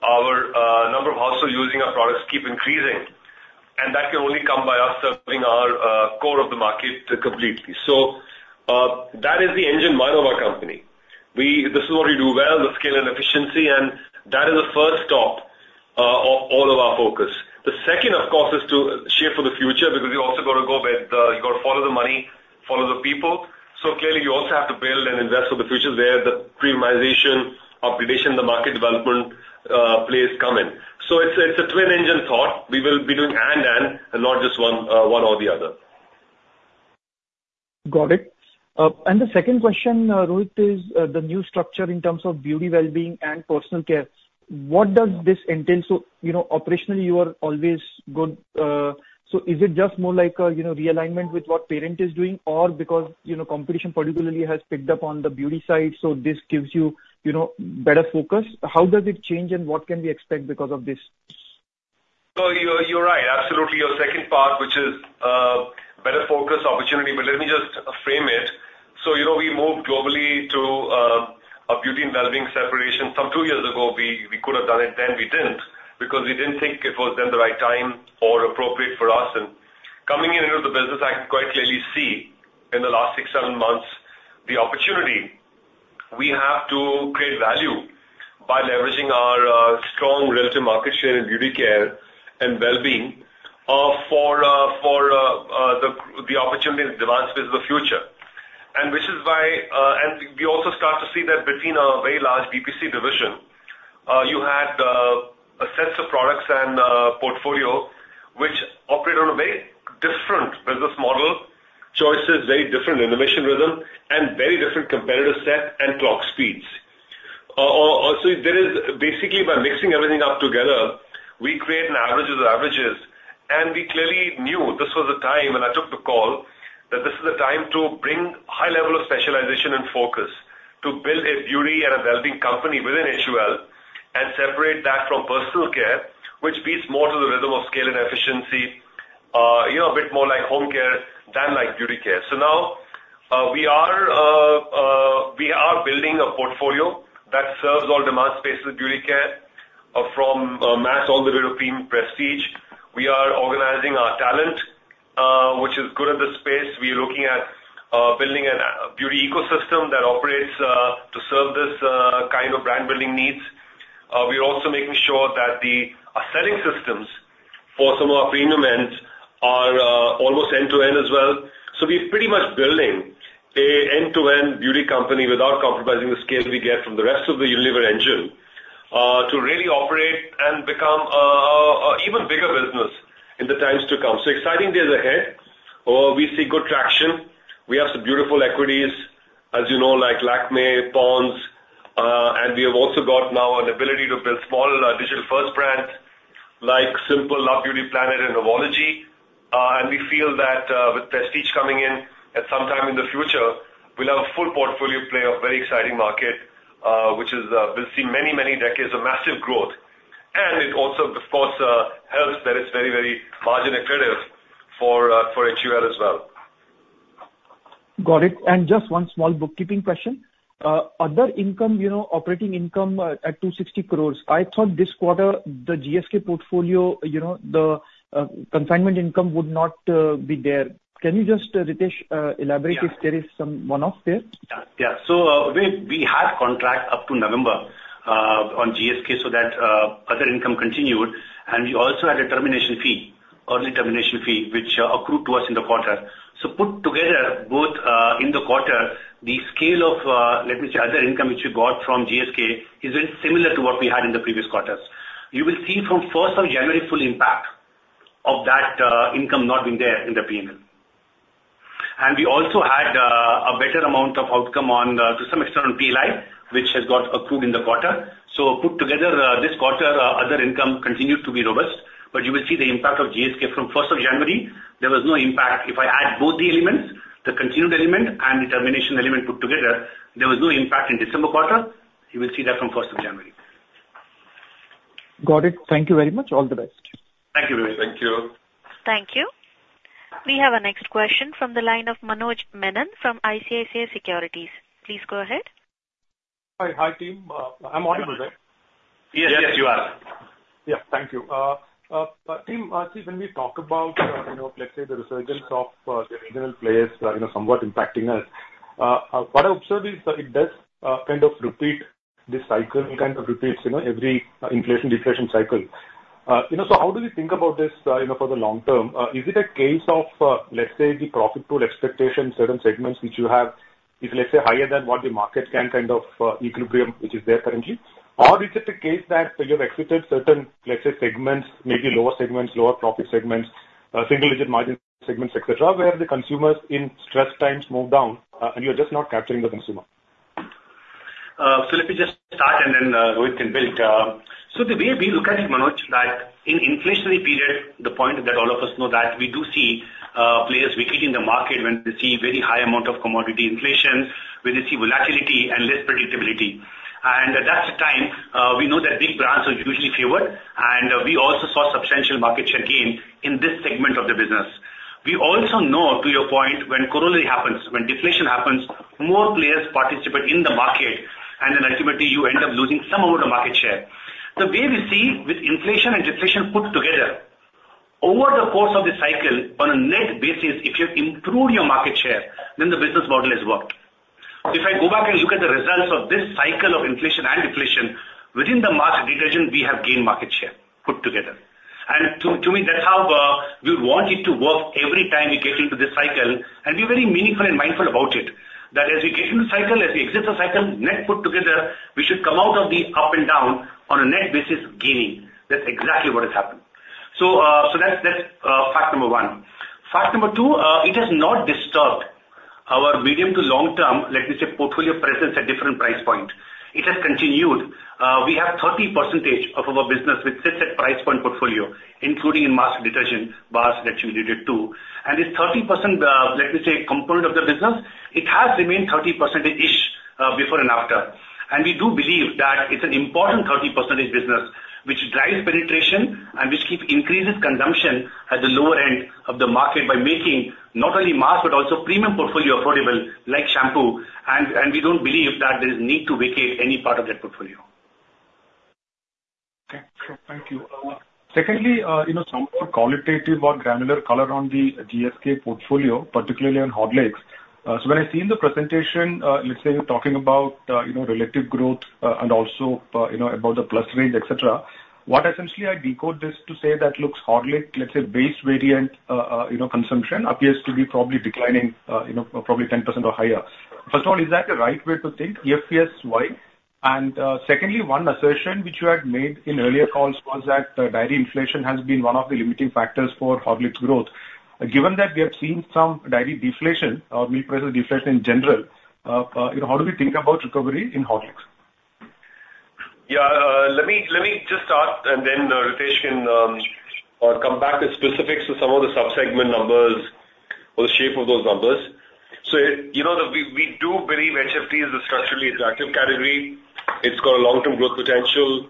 our number of households using our products keep increasing, and that can only come by us serving our core of the market completely. So, that is the engine model of our company. This is what we do well, the scale and efficiency, and that is the first stop of all of our focus. The second, of course, is to shape for the future, because you've also got to go where the... You've got to follow the money, follow the people. So clearly, you also have to build and invest for the future, where the premiumization, upgradation, the market development plays come in. So it's a twin-engine thought. We will be doing and, and not just one or the other. Got it. And the second question, Rohit, is the new structure in terms of beauty, well-being, and Personal Care. What does this entail? So, you know, operationally, you are always good. So is it just more like a, you know, realignment with what parent is doing? Or because, you know, competition particularly has picked up on the beauty side, so this gives you, you know, better focus? How does it change, and what can we expect because of this? ...So you're right, absolutely. Your second part, which is better focus opportunity, but let me just frame it. So, you know, we moved globally to a Beauty & Wellbeing separation some two years ago. We could have done it then, we didn't, because we didn't think it was then the right time or appropriate for us. And coming into the business, I can quite clearly see in the last six, seven months, the opportunity we have to create value by leveraging our strong relative market share in beauty care and wellbeing for the opportunity in demand space of the future. Which is why, and we also start to see that between our very large BPC division, you had a sets of products and portfolio which operate on a very different business model, choices, very different innovation rhythm, and very different competitive set and clock speeds. There is basically by mixing everything up together, we create an average of the averages, and we clearly knew this was the time, and I took the call, that this is the time to bring high level of specialization and focus, to build a beauty and a wellbeing company within HUL, and separate that from Personal Care, which beats more to the rhythm of scale and efficiency, you know, a bit more like Home Care than like beauty care. So now, we are building a portfolio that serves all demand spaces in beauty care, from mass all the way to prestige. We are organizing our talent, which is good at the space. We are looking at building a beauty ecosystem that operates to serve this kind of brand building needs. We are also making sure that the selling systems for some of our premium ends are almost end-to-end as well. So we're pretty much building an end-to-end beauty company without compromising the scale we get from the rest of the Unilever engine, to really operate and become an even bigger business in the times to come. So exciting days ahead. We see good traction. We have some beautiful equities, as you know, like Lakmé, Pond's, and we have also got now an ability to build small, digital-first brands like Simple, Love Beauty & Planet, and Novology. And we feel that, with prestige coming in at some time in the future, we'll have a full portfolio play, a very exciting market, which will see many, many decades of massive growth. And it also, of course, helps that it's very, very margin accretive for HUL as well. Got it. And just one small bookkeeping question. Other income, you know, operating income, at 260 crore, I thought this quarter, the GSK portfolio, you know, the consignment income would not be there. Can you just, Ritesh, elaborate- Yeah. If there is some one-off there? Yeah. Yeah. So, we had contract up to November on GSK, so that other income continued, and we also had a termination fee, early termination fee, which accrued to us in the quarter. So put together, both in the quarter, the scale of, let me say, other income, which we got from GSK, is very similar to what we had in the previous quarters. You will see from first of January, full impact of that income not being there in the P&L. And we also had a better amount of outcome on to some external PLI, which has got approved in the quarter. So put together, this quarter, other income continued to be robust, but you will see the impact of GSK from first of January. There was no impact. If I add both the elements, the continued element and the termination element put together, there was no impact in December quarter. You will see that from first of January. Got it. Thank you very much. All the best. Thank you very much. Thank you. Thank you. We have our next question from the line of Manoj Menon from ICICI Securities. Please go ahead. Hi. Hi, team. I'm audible, right? Yes, yes, you are. Yes. Yeah. Thank you. team, see, when we talk about, you know, let's say, the resurgence of, the regional players, you know, somewhat impacting us, what I observe is that it does, kind of repeat this cycle, kind of repeats, you know, every, inflation, deflation cycle. you know, so how do we think about this, you know, for the long term? is it a case of, let's say, the profit pool expectation, certain segments which you have, is, let's say, higher than what the market can kind of, equilibrium, which is there currently? Or is it a case that you have exited certain, let's say, segments, maybe lower segments, lower profit segments, single-digit margin segments, et cetera, where the consumers in stress times move down, and you're just not capturing the consumer? So let me just start and then, Rohit can build. So the way we look at it, Manoj, that in inflationary period, the point that all of us know that we do see players weakening the market when we see very high amount of commodity inflation, when you see volatility and less predictability. And that's the time, we know that big brands are usually favored, and we also saw substantial market share gain in this segment of the business. We also know, to your point, when corollary happens, when deflation happens, more players participate in the market, and then ultimately you end up losing some of the market share. The way we see with inflation and deflation put together, over the course of the cycle, on a net basis, if you've improved your market share, then the business model has worked. If I go back and look at the results of this cycle of inflation and deflation, within the mass detergent, we have gained market share put together. And to me, that's how we would want it to work every time we get into this cycle, and we're very meaningful and mindful about it. That as we get into the cycle, as we exit the cycle, net put together, we should come out of the up and down on a net basis gaining. That's exactly what has happened. So, so that's, that's, fact number one. Fact number two, it has not disturbed our medium to long term, let me say, portfolio presence at different price point. It has continued. We have 30% of our business which sits at price point portfolio, including in mass detergent bars that you alluded to. This 30%, let me say, component of the business, it has remained 30%-ish, before and after. We do believe that it's an important 30% business, which drives penetration and which keeps increases consumption at the lower end of the market by making not only mass, but also premium portfolio affordable, like shampoo, and we don't believe that there is need to vacate any part of that portfolio. Okay, thank you. Secondly, you know, some more qualitative or granular color on the GSK portfolio, particularly on Horlicks. So when I see in the presentation, let's say, you're talking about, you know, relative growth, and also, you know, about the Plus range, et cetera. What essentially I decode this to say that looks Horlicks, let's say, base variant, you know, consumption appears to be probably declining, you know, probably 10% or higher. First of all, is that the right way to think? If yes, why? And, secondly, one assertion which you had made in earlier calls was that dairy inflation has been one of the limiting factors for Horlicks growth. Given that we have seen some dairy deflation or milk price deflation in general, you know, how do we think about recovery in Horlicks? Yeah, let me just start, and then Ritesh can come back with specifics to some of the sub-segment numbers or the shape of those numbers. So, you know, that we do believe HFD is a structurally attractive category. It's got a long-term growth potential.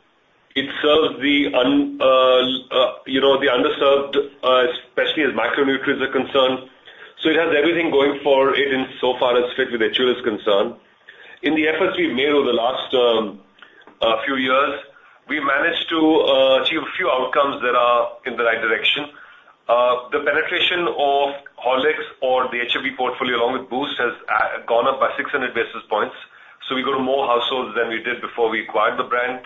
It serves the underserved, especially as macronutrients are concerned. So it has everything going for it in so far as fit with nature is concerned. In the efforts we've made over the last few years, we managed to achieve a few outcomes that are in the right direction. The penetration of Horlicks or the HFD portfolio along with Boost has gone up by 600 basis points, so we go to more households than we did before we acquired the brand.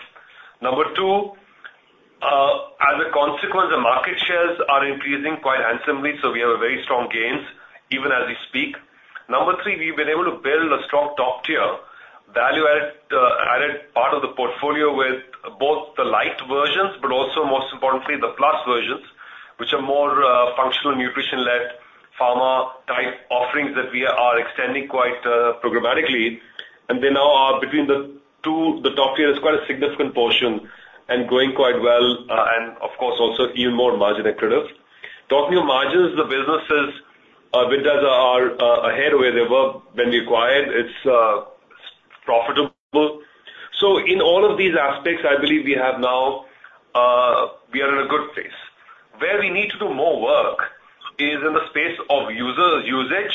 Number two, as a consequence, the market shares are increasing quite handsomely, so we have a very strong gains even as we speak. Number three, we've been able to build a strong top-tier, value-added, added part of the portfolio with both the Lite versions, but also, most importantly, the Plus versions, which are more, functional, nutrition-led, pharma-type offerings that we are extending quite, programmatically. And they now are between the two, the top tier is quite a significant portion and growing quite well, and of course, also even more margin accretive. Talking of margins, the businesses, with us are, ahead where they were when we acquired. It's, profitable. So in all of these aspects, I believe we have now, we are in a good place. Where we need to do more work is in the space of user usage.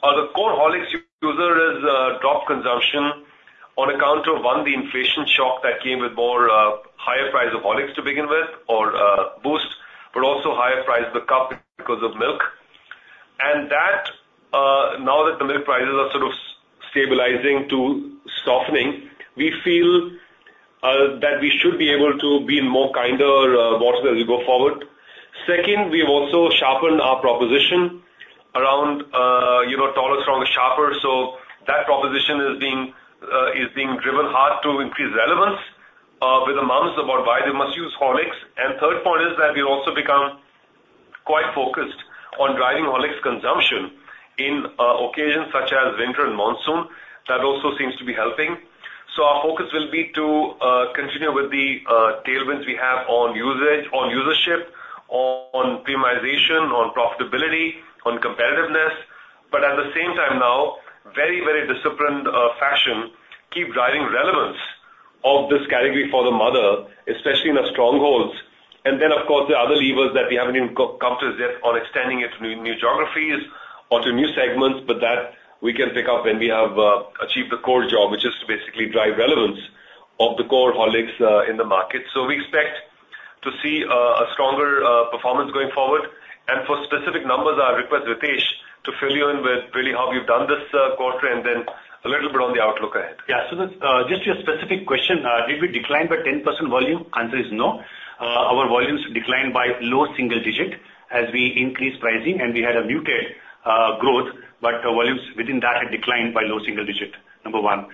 The core Horlicks user is drop consumption on account of one, the inflation shock that came with more higher price of Horlicks to begin with or Boost, but also higher price of the cup because of milk. And that, now that the milk prices are sort of stabilizing to softening, we feel that we should be able to be more kinder more as we go forward. Second, we've also sharpened our proposition around you know, taller, stronger, sharper. So that proposition is being is being driven hard to increase relevance with the moms about why they must use Horlicks. And third point is that we've also become quite focused on driving Horlicks consumption in occasions such as winter and monsoon. That also seems to be helping. So our focus will be to continue with the tailwinds we have on usage, on usership, on premiumization, on profitability, on competitiveness, but at the same time now, very, very disciplined fashion, keep driving relevance of this category for the mother, especially in the strongholds. And then, of course, there are other levers that we haven't even come to as yet on extending it to new geographies or to new segments, but that we can pick up when we have achieved the core job, which is to basically drive relevance of the core Horlicks in the market. So we expect to see a stronger performance going forward. And for specific numbers, I'll request Ritesh to fill you in with really how we've done this quarter, and then a little bit on the outlook ahead. Yeah. So, just to your specific question, did we decline by 10% volume? Answer is no. Our volumes declined by low single digit as we increased pricing, and we had a muted growth, but our volumes within that had declined by low single digit, number one.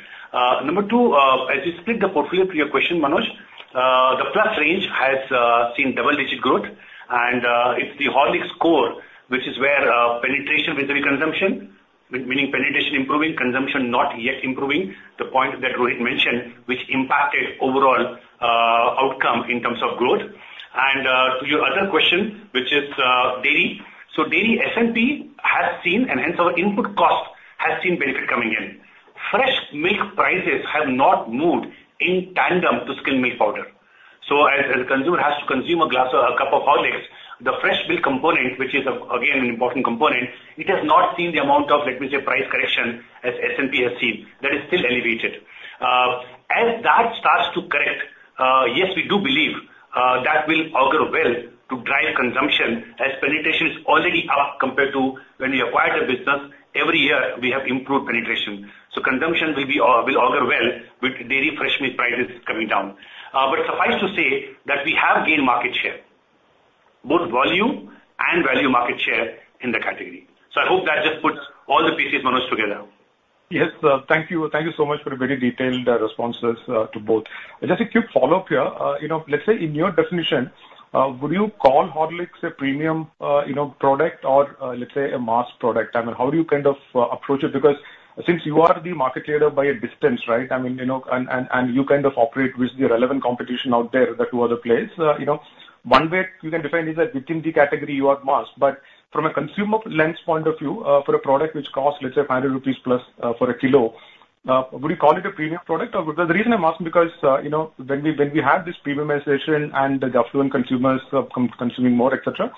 Number two, as you split the portfolio to your question, Manoj, the Plus range has seen double-digit growth, and it's the Horlicks core, which is where penetration with the consumption, meaning penetration improving, consumption not yet improving, the point that Rohit mentioned, which impacted overall outcome in terms of growth. To your other question, which is dairy. So dairy SMP has seen, and hence our input cost, has seen benefit coming in. Fresh milk prices have not moved in tandem to skimmed milk powder. So as, as the consumer has to consume a glass or a cup of Horlicks, the fresh milk component, which is, again, an important component, it has not seen the amount of, let me say, price correction as SMP has seen. That is still elevated. As that starts to correct, yes, we do believe that will augur well to drive consumption as penetration is already up compared to when we acquired the business. Every year, we have improved penetration. So consumption will be will augur well with dairy fresh milk prices coming down. But suffice to say that we have gained market share, both volume and value market share in the category. So I hope that just puts all the pieces, Manoj, together. Yes, thank you. Thank you so much for the very detailed responses to both. Just a quick follow-up here. You know, let's say in your definition, would you call Horlicks a premium, you know, product or, let's say, a mass product? I mean, how do you kind of approach it? Because since you are the market leader by a distance, right? I mean, you know, and you kind of operate with the relevant competition out there, the two other players. You know, one way you can define is that within the category, you are mass, but from a consumer lens point of view, for a product which costs, let's say, 100 rupees plus, for a kilo-... Would you call it a premium product? Or the reason I'm asking because, you know, when we had this premiumization and the affluent consumers consuming more, et cetera,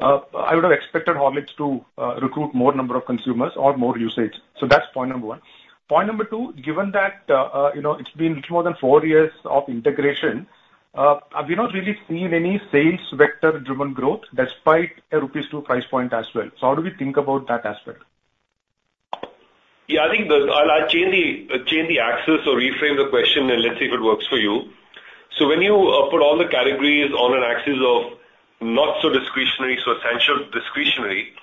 I would have expected Horlicks to recruit more number of consumers or more usage. So that's point number one. Point number two, given that, you know, it's been little more than four years of integration, I've not really seen any sales vector-driven growth despite an rupees 2 price point as well. So how do we think about that aspect? Yeah, I think I'll change the axis or reframe the question, and let's see if it works for you. So when you put all the categories on an axis of not so discretionary, so essential discretionary,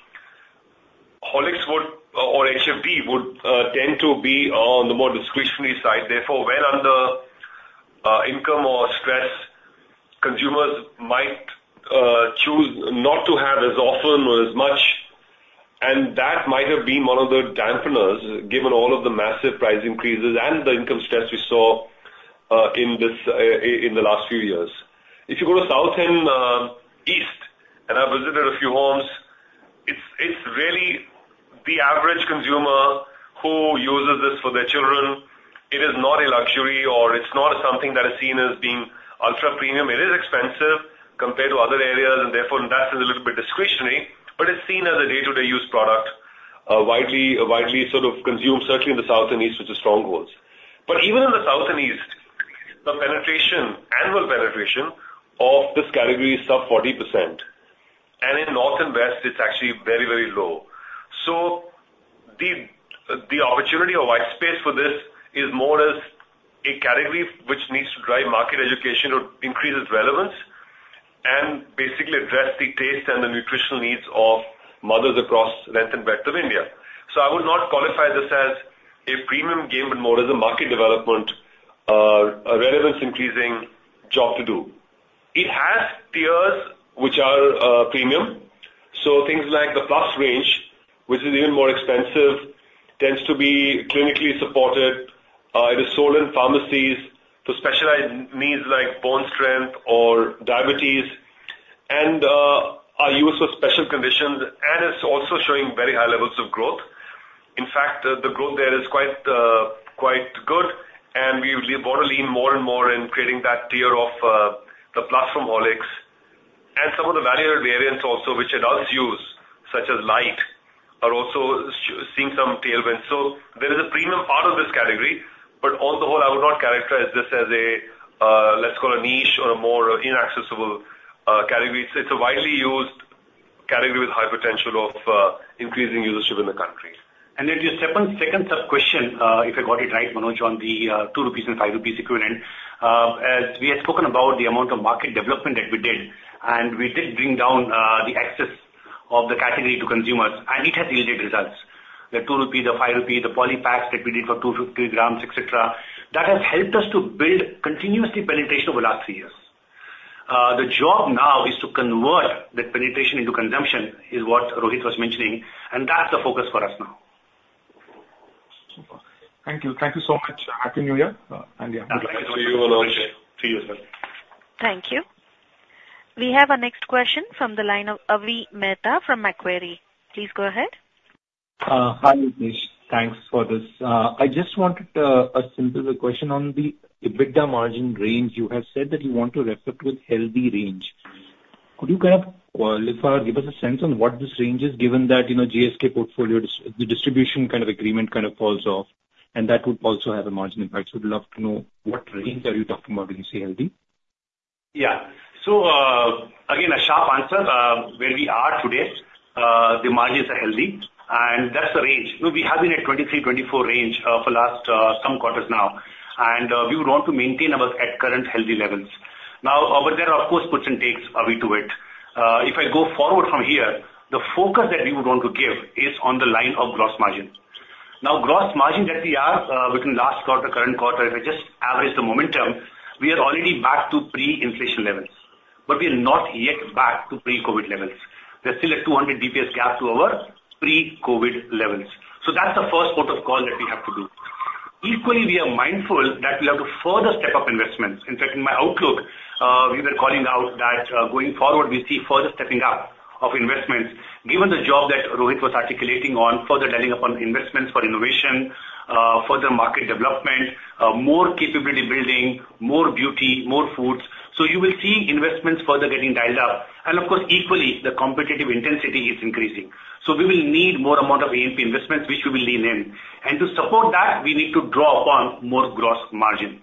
Horlicks would or HFD would tend to be on the more discretionary side. Therefore, when under income or stress, consumers might choose not to have as often or as much, and that might have been one of the dampeners, given all of the massive price increases and the income stress we saw in this in the last few years. If you go to South and East, and I've visited a few homes, it's really the average consumer who uses this for their children. It is not a luxury or it's not something that is seen as being ultra premium. It is expensive compared to other areas, and therefore, that is a little bit discretionary, but it's seen as a day-to-day use product, widely, widely sort of consumed, certainly in the South and East, which is strongholds. But even in the South and East, the penetration, annual penetration of this category is sub 40%, and in North and West, it's actually very, very low. So the opportunity or white space for this is more as a category which needs to drive market education or increase its relevance and basically address the taste and the nutritional needs of mothers across length and breadth of India. So I would not qualify this as a premium game, but more as a market development, a relevance increasing job to do. It has tiers which are premium, so things like the Plus range, which is even more expensive, tends to be clinically supported. It is sold in pharmacies for specialized needs like bone strength or diabetes and are used for special conditions, and it's also showing very high levels of growth. In fact, the growth there is quite good, and we want to lean more and more in creating that tier of the Plus from Horlicks. And some of the value add variants also, which adults use, such as Light, are also seeing some tailwind. So there is a premium part of this category, but on the whole, I would not characterize this as a let's call a niche or a more inaccessible category. It's a widely used category with high potential of increasing usage in the country. Then your second, second sub question, if I got it right, Manoj, on the 2 rupees and 5 rupees equivalent. As we had spoken about the amount of market development that we did, and we did bring down the access of the category to consumers, and it has yielded results. The 2 rupees, the 5 rupees, the poly packs that we did for 250 g, et cetera, that has helped us to build continuously penetration over the last three years. The job now is to convert that penetration into consumption, is what Rohit was mentioning, and that's the focus for us now. Super. Thank you. Thank you so much. Happy New Year. To you, Manoj. To you as well. Thank you. We have our next question from the line of Avi Mehta from Macquarie. Please go ahead. Hi, Ritesh. Thanks for this. I just wanted a simpler question on the EBITDA margin range. You have said that you want to reflect with healthy range. Could you kind of qualify or give us a sense on what this range is, given that, you know, GSK portfolio, the distribution kind of agreement kind of falls off, and that would also have a margin impact. So I'd love to know what range are you talking about when you say healthy? Yeah. So, again, a sharp answer, where we are today, the margins are healthy, and that's the range. We, we have been at 23-24 range, for last, some quarters now, and, we would want to maintain our at current healthy levels. Now, over there, of course, puts and takes a way to it. If I go forward from here, the focus that we would want to give is on the line of gross margin. Now, gross margin that we are, between last quarter, current quarter, if I just average the momentum, we are already back to pre-inflation levels, but we're not yet back to pre-COVID levels. We're still at 200 basis points gap to our pre-COVID levels. So that's the first port of call that we have to do. Equally, we are mindful that we have to further step up investments. In fact, in my outlook, we were calling out that, going forward, we see further stepping up of investments, given the job that Rohit was articulating on further dialing up on investments for innovation, further market development, more capability building, more beauty, more foods. So you will see investments further getting dialed up, and of course, equally, the competitive intensity is increasing. So we will need more amount of A&P investments, which we will lean in. And to support that, we need to draw upon more gross margin.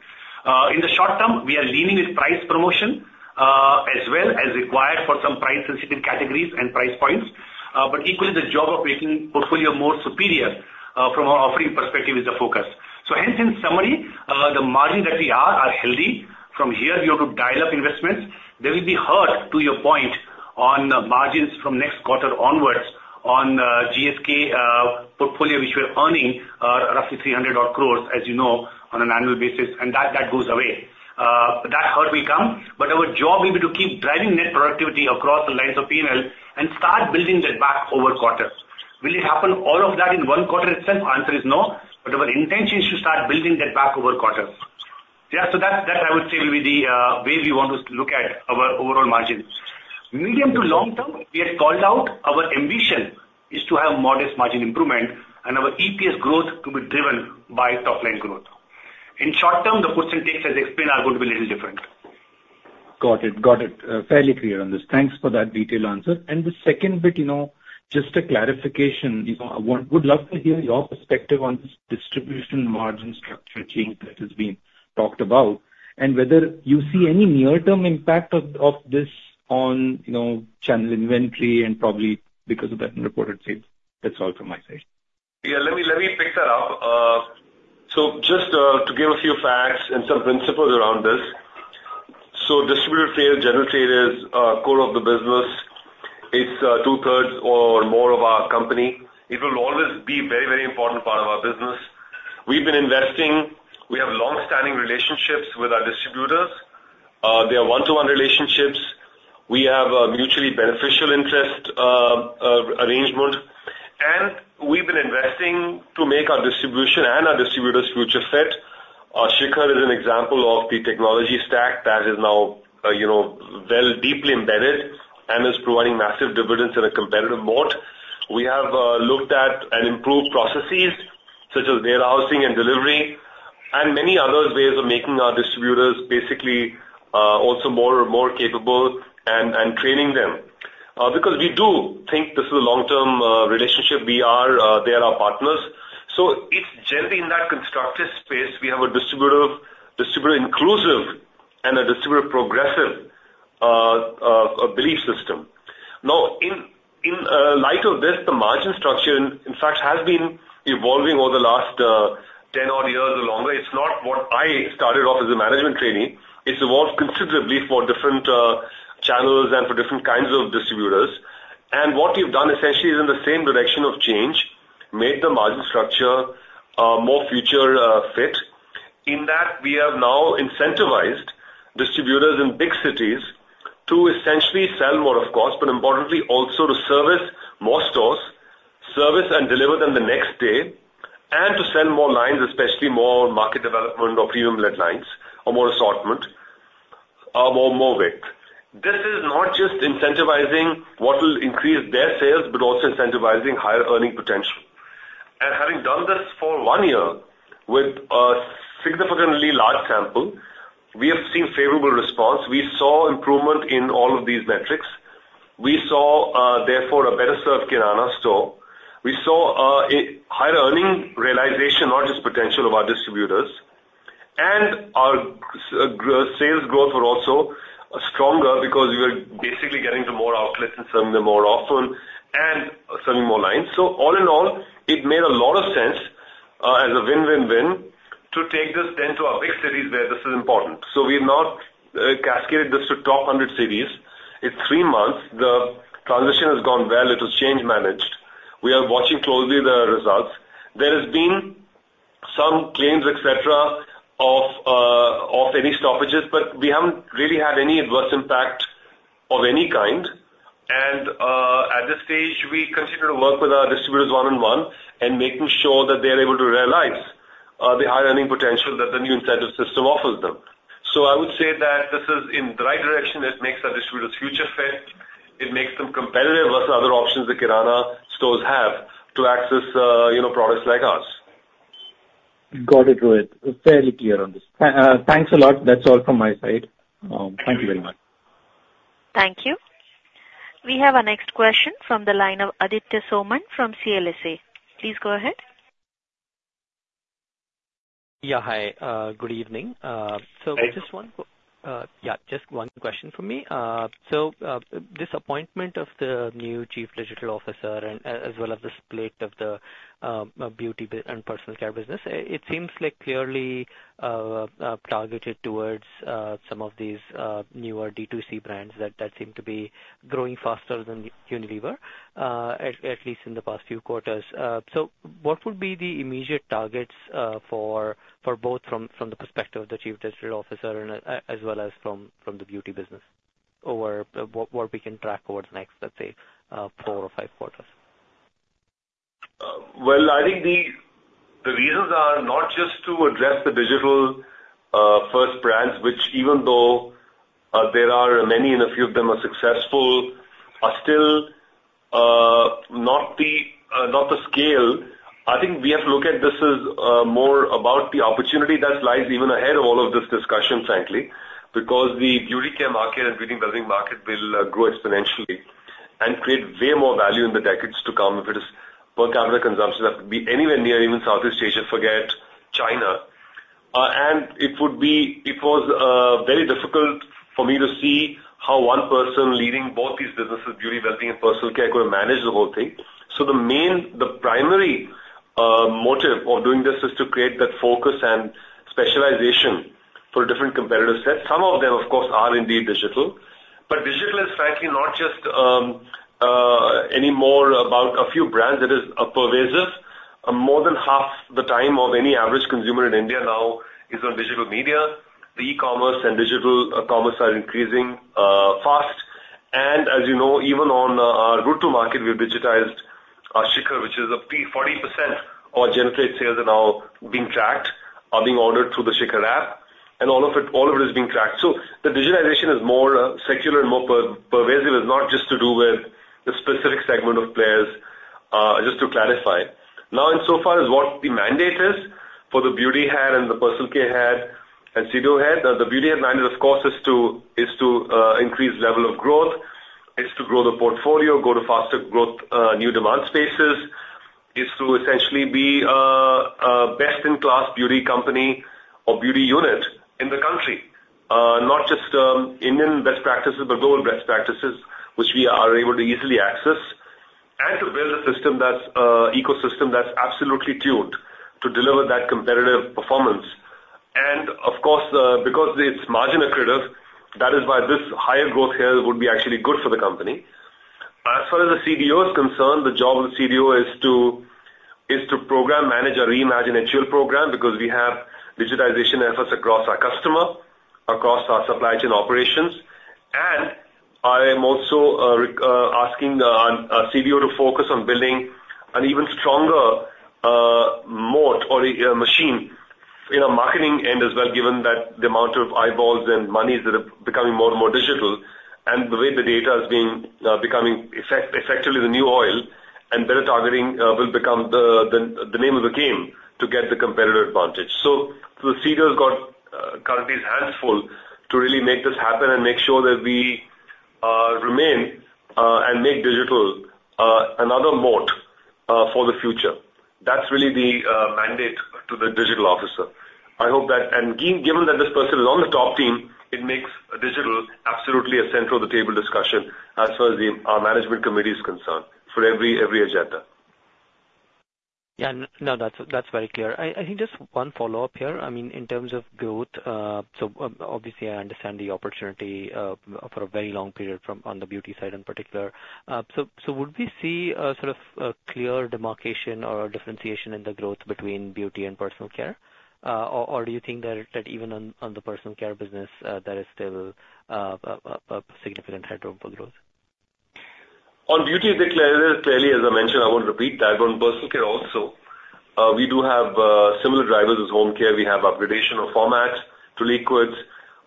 In the short term, we are leaning with price promotion, as well as required for some price-sensitive categories and price points, but equally the job of making portfolio more superior, from our offering perspective is the focus. So hence, in summary, the margin that we are, are healthy. From here, we have to dial up investments. There will be hurt to your point on margins from next quarter onwards on GSK portfolio, which we're earning roughly 300-odd crores, as you know, on an annual basis, and that goes away. That hurt will come, but our job will be to keep driving net productivity across the lines of P&L and start building that back over quarters. Will it happen all of that in one quarter itself? Answer is no, but our intention is to start building that back over quarters.... Yeah, so that, that I would say will be the way we want to look at our overall margin. Medium to long term, we had called out our ambition is to have modest margin improvement and our EPS growth to be driven by top line growth. In short term, the percentages as explained, are going to be a little different. Got it. Got it. Fairly clear on this. Thanks for that detailed answer. And the second bit, you know, just a clarification. You know, I would love to hear your perspective on this distribution margin structure change that has been talked about, and whether you see any near-term impact of, of this on, you know, channel inventory and probably because of that, unreported sales. That's all from my side. Yeah, let me pick that up. So just to give a few facts and some principles around this. So distributor sales, general sales, core of the business, it's 2/3 or more of our company. It will always be very, very important part of our business. We've been investing. We have long-standing relationships with our distributors. They are one-to-one relationships. We have a mutually beneficial interest arrangement, and we've been investing to make our distribution and our distributors future fit. Shikhar is an example of the technology stack that is now, you know, well, deeply embedded and is providing massive dividends in a competitive moat. We have looked at and improved processes such as warehousing and delivery, and many other ways of making our distributors basically also more capable and training them. Because we do think this is a long-term relationship. We are, they are our partners. So it's generally in that constructive space, we have a distributive, distributor inclusive and a distributor progressive a belief system. Now, in light of this, the margin structure, in fact, has been evolving over the last 10 odd years or longer. It's not what I started off as a management trainee. It's evolved considerably for different channels and for different kinds of distributors. And what we've done, essentially, is in the same direction of change, made the margin structure more future fit. In that, we have now incentivized distributors in big cities to essentially sell more, of course, but importantly, also to service more stores, service and deliver them the next day, and to sell more lines, especially more market development or premium-led lines or more assortment, more, more weight. This is not just incentivizing what will increase their sales, but also incentivizing higher earning potential. And having done this for one year with a significantly large sample, we have seen favorable response. We saw improvement in all of these metrics. We saw, therefore, a better served kirana store. We saw a higher earning realization, not just potential, of our distributors, and our s-growth, sales growth were also stronger because we were basically getting to more outlets and serving them more often and selling more lines. So all in all, it made a lot of sense, as a win-win-win, to take this then to our big cities, where this is important. So we've now cascaded this to top 100 cities. It's three months. The transition has gone well. It was change managed. We are watching closely the results. There has been some claims, et cetera, of, of any stoppages, but we haven't really had any adverse impact of any kind. And, at this stage, we continue to work with our distributors one-on-one and making sure that they are able to realize the high earning potential that the new incentive system offers them. So I would say that this is in the right direction. It makes our distributors future fit. It makes them competitive versus other options the kirana stores have to access, you know, products like ours. Got it, Rohit. Fairly clear on this. Thanks a lot. That's all from my side. Thank you very much. Thank you. We have our next question from the line of Aditya Soman from CLSA. Please go ahead. Yeah, hi. Good evening. Hi. Just one, yeah, just one question from me. So, this appointment of the new Chief Digital Officer and as well as the split of Beauty and Personal Care business, it seems like clearly targeted towards some of these newer D2C brands that seem to be growing faster than Unilever, at least in the past few quarters. So what would be the immediate targets for both from the perspective of the Chief Digital Officer and as well as from the beauty business? Or what we can track over the next, let's say, four or five quarters. Well, I think the reasons are not just to address the digital first brands, which even though there are many and a few of them are successful, are still not to scale. I think we have to look at this as more about the opportunity that lies even ahead of all of this discussion, the Beauty and Personal Care market and Beauty & Wellbeing market will grow exponentially and create way more value in the decades to come if its per capita consumption could be anywhere near even Southeast Asia, forget China. And it would be—it was very difficult for me to see how one person leading both these businesses, Beauty & Wellbeing and Personal Care, could manage the whole thing. So the main, the primary, motive of doing this is to create that focus and specialization for different competitive sets. Some of them, of course, are indeed digital. But digital is frankly not just any more about a few brands that is pervasive. More than half the time of any average consumer in India now is on digital media. The e-commerce and digital commerce are increasing fast. As you know, even on our go-to-market, we've digitized our Shikhar, which is up to 40% of our generate sales are now being tracked, are being ordered through the Shikhar app, and all of it, all of it is being tracked. So the digitization is more secular and more pervasive. It's not just to do with the specific segment of players, just to clarify. Now, in so far as what the mandate is for the beauty head and the Personal Care head and CDO head, the beauty head mandate, of course, is to, is to, increase level of growth, is to grow the portfolio, go to faster growth, new demand spaces. Is to essentially be a best-in-class beauty company or beauty unit in the country. Not just, Indian best practices, but global best practices, which we are able to easily access, and to build a system that's ecosystem that's absolutely tuned to deliver that competitive performance. And of course, the, because it's margin accretive, that is why this higher growth here would be actually good for the company. As far as the CDO is concerned, the job of the CDO is to program, manage, or reimagine a skill program, because we have digitization efforts across our customer, across our supply chain operations. And I am also asking our CDO to focus on building an even stronger moat or a machine in our marketing end as well, given that the amount of eyeballs and monies that are becoming more and more digital, and the way the data is being becoming effectively the new oil and better targeting will become the name of the game to get the competitive advantage. So the CDO's got currently his hands full to really make this happen and make sure that we remain and make digital another moat for the future. That's really the mandate to the digital officer. I hope that, and given that this person is on the top team, it makes digital absolutely a center of the table discussion as far as our management committee is concerned for every agenda. Yeah, no, that's very clear. I think just one follow-up here. I mean, in terms of growth, so obviously, I understand the opportunity for a very long period from on the beauty side in particular. So would we see a sort of a clear demarcation or differentiation in the growth Beauty and Personal Care? or do you think that even on the Personal Care business there is still a significant headroom for growth? On beauty, it's clear, clearly, as I mentioned, I won't repeat that. On Personal Care also, we do have similar drivers as Home Care. We have upgradation of formats to liquids.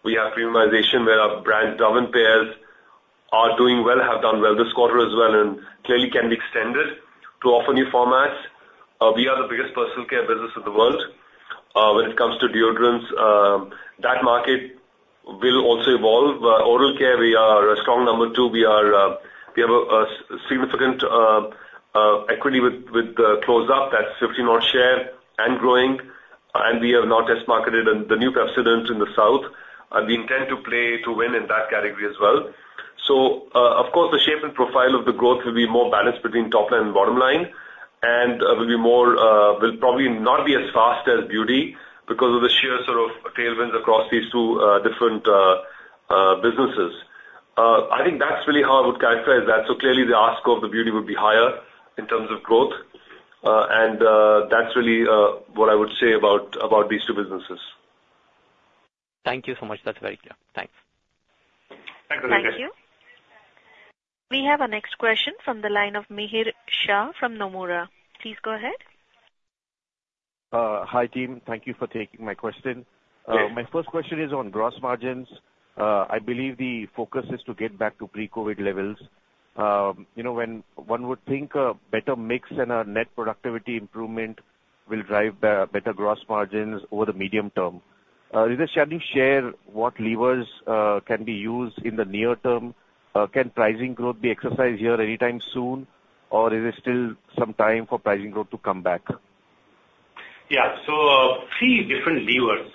We have premiumization, where our brand driven players are doing well, have done well this quarter as well, and clearly can be extended to offer new formats. We are the biggest Personal Care business in the world. When it comes to deodorants, that market will also evolve. Oral care, we are a strong number two. We are, we have a significant equity with Closeup. That's 50% share and growing, and we have not just marketed in the new Pepsodent in the South, and we intend to play to win in that category as well. So, of course, the shape and profile of the growth will be more balanced between top line and bottom line, and, will be more, will probably not be as fast as beauty because of the sheer sort of tailwinds across these two, different, businesses. I think that's really how I would characterize that. So clearly, the ask of the beauty would be higher in terms of growth, and, that's really, what I would say about, about these two businesses. Thank you so much. That's very clear. Thanks. Thank you. Thank you. We have our next question from the line of Mihir Shah from Nomura. Please go ahead. Hi, team. Thank you for taking my question. Yeah. My first question is on gross margins. I believe the focus is to get back to pre-COVID levels. You know, when one would think a better mix and a net productivity improvement will drive better gross margins over the medium term. Just can you share what levers can be used in the near term? Can pricing growth be exercised here anytime soon, or is there still some time for pricing growth to come back? Yeah. So three different levers,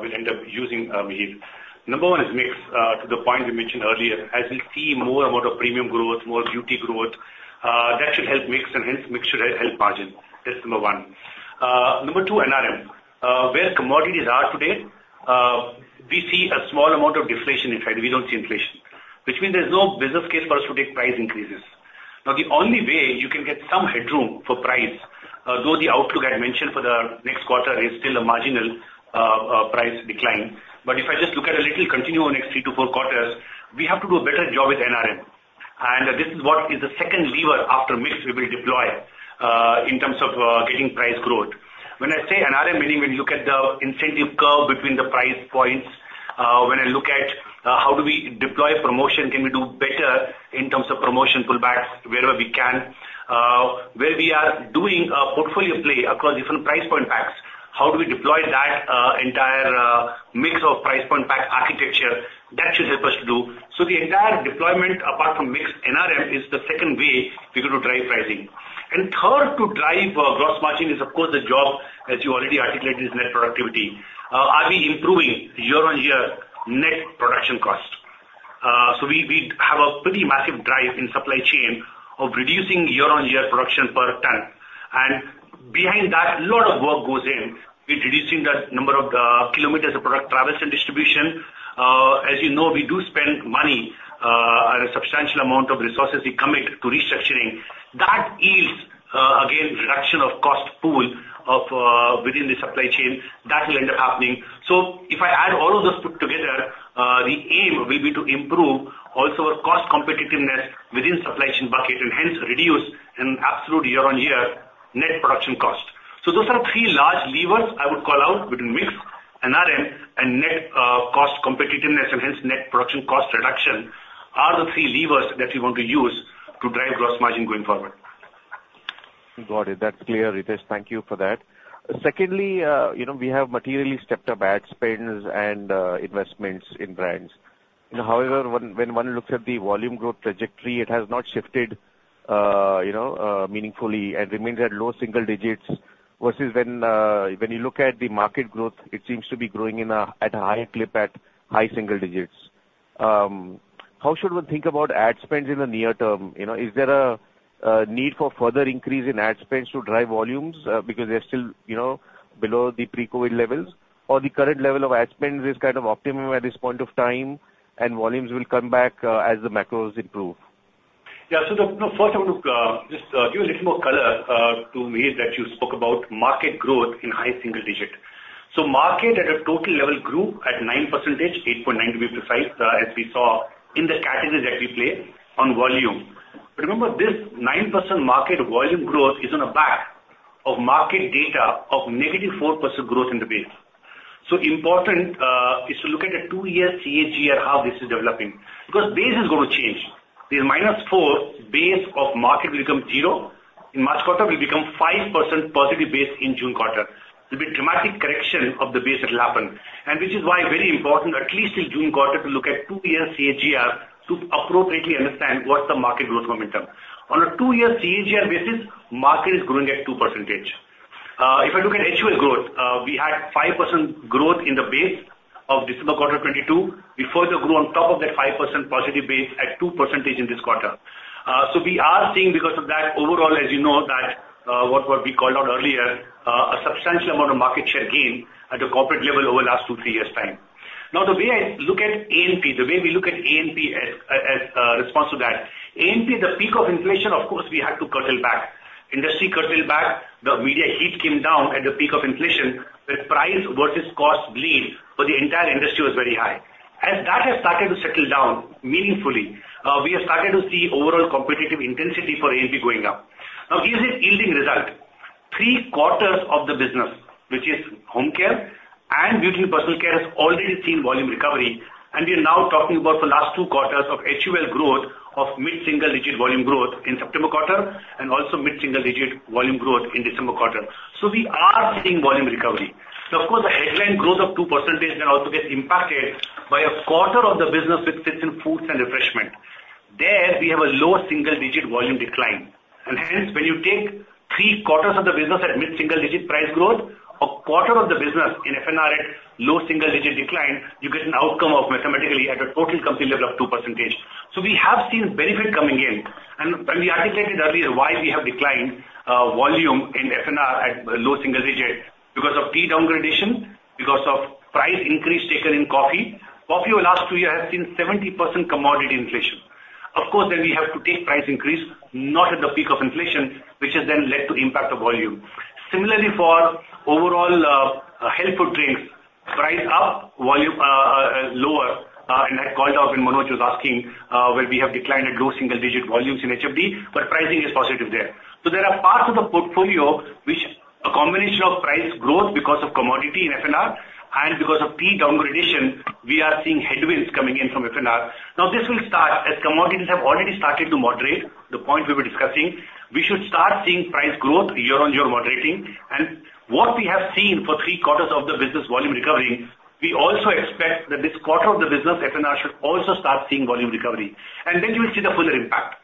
we'll end up using, Mihir. Number one is mix, to the point we mentioned earlier. As we see more amount of premium growth, more beauty growth, that should help mix, and hence mix should help margin. That's number one. Number two, NRM. Where commodities are today, we see a small amount of deflation. In fact, we don't see inflation, which means there's no business case for us to take price increases. Now, the only way you can get some headroom for price, though the outlook I mentioned for the next quarter is still a marginal, price decline. But if I just look at a little continuum next three to four quarters, we have to do a better job with NRM. This is what is the second lever after mix we will deploy in terms of getting price growth. When I say NRM, meaning when you look at the incentive curve between the price points, when I look at how do we deploy promotion, can we do better in terms of promotion pullbacks wherever we can? Where we are doing a portfolio play across different price point packs, how do we deploy that entire mix of price point pack architecture? That should help us to do. So the entire deployment, apart from mix NRM, is the second way we're going to drive pricing. And third, to drive gross margin is of course the job, as you already articulated, is net productivity. Are we improving year-on-year net production cost? So we have a pretty massive drive in supply chain of reducing year-on-year production per ton. And behind that, a lot of work goes in. We're reducing the number of kilometers of product travels and distribution. As you know, we do spend money and a substantial amount of resources we commit to restructuring. That is-... again, reduction of cost pool of, within the supply chain, that will end up happening. So if I add all of those put together, the aim will be to improve also our cost competitiveness within supply chain bucket, and hence reduce an absolute year-on-year net production cost. So those are three large levers I would call out between mix and RM and net, cost competitiveness, and hence net production cost reduction, are the three levers that we want to use to drive gross margin going forward. Got it. That's clear, Ritesh, thank you for that. Secondly, you know, we have materially stepped up ad spends and investments in brands. You know, however, when one looks at the volume growth trajectory, it has not shifted, you know, meaningfully and remains at low single digits, versus when you look at the market growth, it seems to be growing at a higher clip at high single digits. How should one think about ad spends in the near term? You know, is there a need for further increase in ad spends to drive volumes, because they're still, you know, below the pre-COVID levels, or the current level of ad spends is kind of optimum at this point of time, and volumes will come back as the macros improve? Yeah. So, look, no, first I want to just give a little more color to areas that you spoke about market growth in high single digit. So market at a total level grew at 9%, 8.9% to be precise, as we saw in the categories that we play on volume. Remember, this 9% market volume growth is on the back of market data of -4% growth in the base. So important is to look at a two-year CAGR, how this is developing, because base is going to change. The -4% base of market will become zero in March quarter, will become 5% positive base in June quarter. There'll be a dramatic correction of the base that will happen, and which is why very important, at least in June quarter, to look at two-year CAGR to appropriately understand what's the market growth momentum. On a two-year CAGR basis, market is growing at 2%. If I look at HUL growth, we had 5% growth in the base of December quarter 2022. We further grew on top of that 5% positive base at 2% in this quarter. So we are seeing because of that overall, as you know, that, what, what we called out earlier, a substantial amount of market share gain at a corporate level over last two, three years' time. Now, the way I look at A&P, the way we look at A&P as, as, response to that, A&P, the peak of inflation, of course, we had to curtail back. Industry curtailed back, the media heat came down at the peak of inflation, where price versus cost bleed for the entire industry was very high. As that has started to settle down meaningfully, we have started to see overall competitive intensity for A&P going up. Now, is it yielding result? Three quarters of the business, which is Home Care, Beauty and Personal Care, has already seen volume recovery, and we are now talking about the last two quarters of HUL growth, of mid-single digit volume growth in September quarter, and also mid-single digit volume growth in December quarter. So we are seeing volume recovery. Now, of course, the headline growth of 2% can also get impacted by a quarter of the business, which sits in Foods and Refreshment. There, we have a lower single digit volume decline. And hence, when you take three quarters of the business at mid-single digit price growth, a quarter of the business in F&R at low single digit decline, you get an outcome of mathematically at a total company level of 2%. So we have seen benefit coming in. And when we articulated earlier why we have declined volume in F&R at low single digit, because of tea downgrading, because of price increase taken in coffee. Coffee over the last two years has seen 70% commodity inflation. Of course, then we have to take price increase, not at the peak of inflation, which has then led to the impact of volume. Similarly, for overall health food drinks, price up, volume lower, and I called out when Manoj was asking where we have declined at low single-digit volumes in HFD, but pricing is positive there. So there are parts of the portfolio which a combination of price growth because of commodity in F&R and because of tea downgrading, we are seeing headwinds coming in from F&R. Now, this will start as commodities have already started to moderate, the point we were discussing. We should start seeing price growth year-over-year moderating. And what we have seen for three quarters of the business volume recovering, we also expect that this quarter of the business, F&R, should also start seeing volume recovery. And then you will see the fuller impact.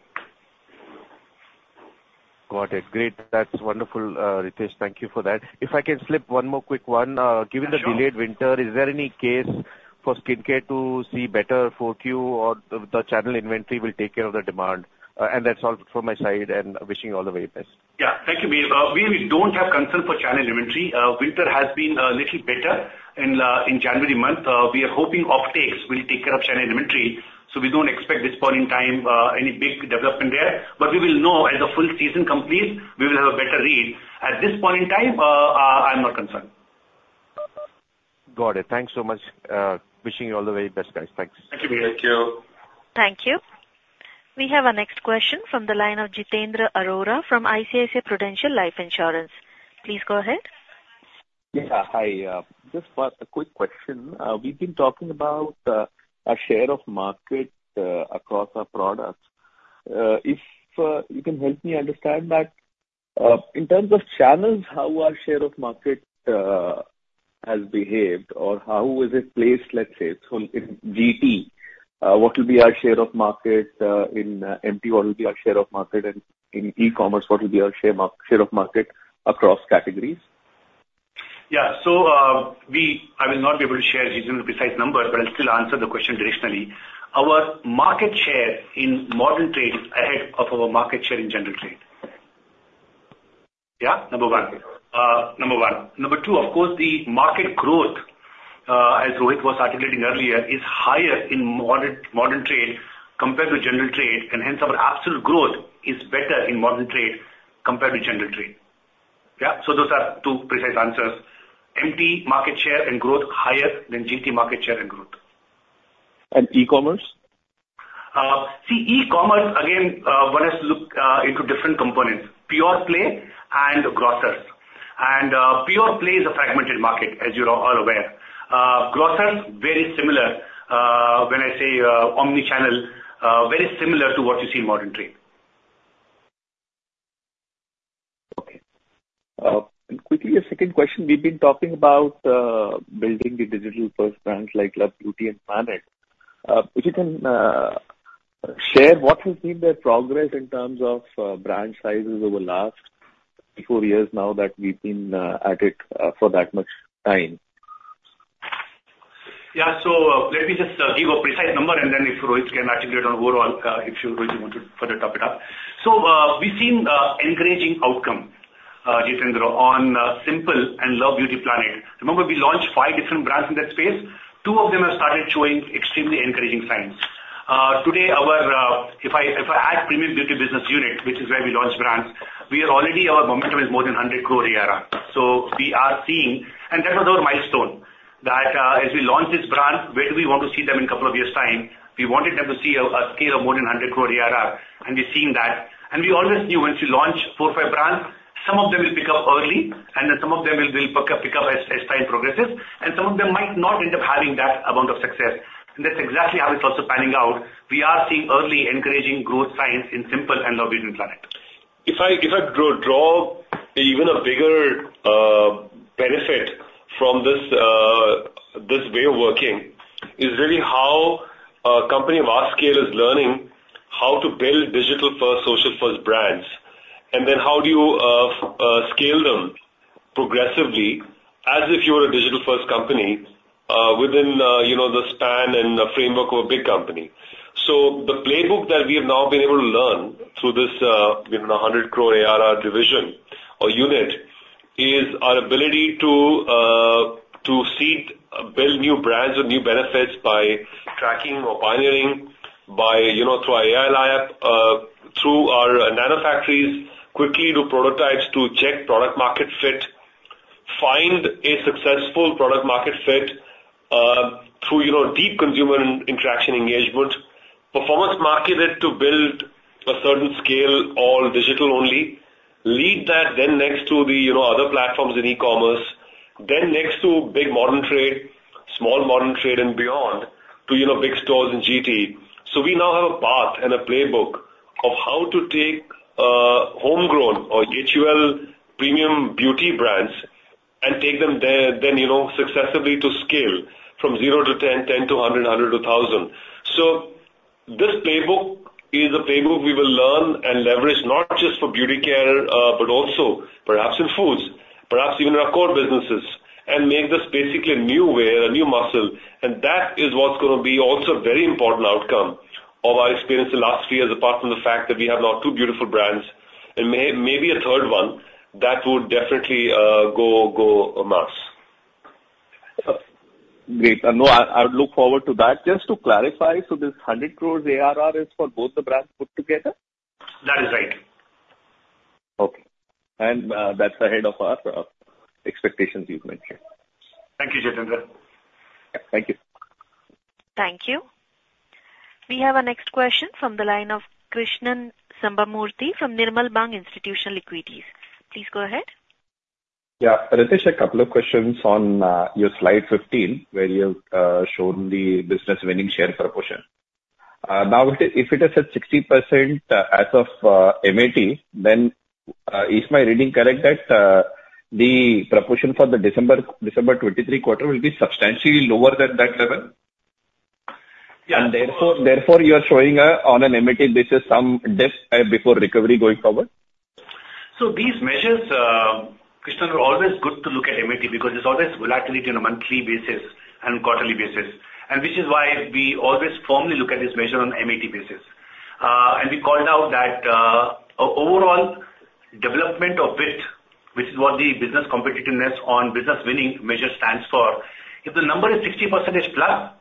Got it. Great! That's wonderful, Ritesh. Thank you for that. If I can slip one more quick one. Sure. Given the delayed winter, is there any case for skincare to see better 4Q or the, the channel inventory will take care of the demand? And that's all from my side, and wishing you all the very best. Yeah. Thank you, Mihir. We don't have concern for channel inventory. Winter has been a little better in January month. We are hoping offtakes will take care of channel inventory, so we don't expect at this point in time any big development there. But we will know as the full season completes; we will have a better read. At this point in time, I'm not concerned. Got it. Thanks so much. Wishing you all the very best, guys. Thanks. Thank you, Mihir. Thank you. Thank you. We have our next question from the line of Jitendra Arora from ICICI Prudential Life Insurance. Please go ahead. Yeah. Hi, just for a quick question. We've been talking about our share of market across our products. If you can help me understand that in terms of channels, how our share of market has behaved, or how is it placed, let's say? So in GT, what will be our share of market, in MT, what will be our share of market, and in e-commerce, what will be our share of market across categories? Yeah. So, I will not be able to share precise numbers, but I'll still answer the question directionally. Our market share in Modern Trade is ahead of our market share in General Trade. Yeah, number one, number one. Number two, of course, the market growth as Rohit was articulating earlier is higher in Modern Trade compared to General Trade, and hence our absolute growth is better in Modern Trade compared to General Trade. Yeah, so those are two precise answers. MT market share and growth higher than GT market share and growth. And e-commerce? See, e-commerce, again, one has to look into different components, pure play and grocers. Pure play is a fragmented market, as you're all aware. Grocers, very similar, when I say, omni-channel, very similar to what you see in Modern Trade. Okay. And quickly, a second question. We've been talking about building the digital-first brands like Love Beauty & Planet. If you can share what has been their progress in terms of brand sizes over the last four years, now that we've been at it for that much time? Yeah. So let me just give a precise number, and then if Rohit can articulate on overall, if you, Rohit, want to further top it up. So, we've seen encouraging outcome, Jitendra, on Simple and Love Beauty & Planet. Remember, we launched five different brands in that space. Two of them have started showing extremely encouraging signs. Today, our, if I, if I add Premium Beauty business unit, which is where we launch brands, we are already... our momentum is more than 100 crore ARR. So we are seeing... And that was our milestone, that, as we launch this brand, where do we want to see them in a couple of years' time? We wanted them to see a scale of more than 100 crore ARR, and we're seeing that. We always knew once you launch four or five brands, some of them will pick up early, and then some of them will pick up as time progresses, and some of them might not end up having that amount of success. That's exactly how it's also panning out. We are seeing early, encouraging growth signs in Simple and Love Beauty & Planet. If I draw even a bigger benefit from this, this way of working, is really how a company of our scale is learning how to build digital-first, social-first brands, and then how do you scale them progressively as if you were a digital-first company, within you know, the span and the framework of a big company. So the playbook that we have now been able to learn through this 100 crore ARR division or unit, is our ability to seed, build new brands or new benefits by tracking or pioneering, by you know, through our AI lab, through our nano factories, quickly do prototypes to check product market fit, find a successful product market fit, through you know, deep consumer interaction engagement, performance market it to build a certain scale, all digital only. Lead that then next to the, you know, other platforms in e-commerce, then next to big Modern Trade, small Modern Trade and beyond, to, you know, big stores in GT. So we now have a path and a playbook of how to take, homegrown or HUL premium beauty brands and take them there, then, you know, successfully to scale from zero to 10, 10 to 100, 100 to 1,000. So this playbook is a playbook we will learn and leverage not just for beauty care, but also perhaps in foods, perhaps even in our core businesses, and make this basically a new way or a new muscle. That is what's gonna be also a very important outcome of our experience in the last few years, apart from the fact that we have now two beautiful brands and maybe a third one that would definitely go amiss. Great. I know, I look forward to that. Just to clarify, so this 100 crore ARR is for both the brands put together? That is right. Okay. That's ahead of our expectations you've mentioned. Thank you, Jitendra. Thank you. Thank you. We have our next question from the line of Krishnan Sambamoorthy from Nirmal Bang Institutional Equities. Please go ahead. Yeah. Ritesh, a couple of questions on your slide 15, where you have shown the business winning share proportion. Now, if it is at 60%, as of MAT, then is my reading correct that the proportion for the December, December 2023 quarter will be substantially lower than that level? Yeah. And therefore, you are showing on an MAT basis, some dip before recovery going forward. So these measures, Krishnan, are always good to look at MAT, because there's always volatility on a monthly basis and quarterly basis, and which is why we always firmly look at this measure on MAT basis. And we called out that, overall development of BWT, which is what the business competitiveness on business winning measure stands for. If the number is 60%+,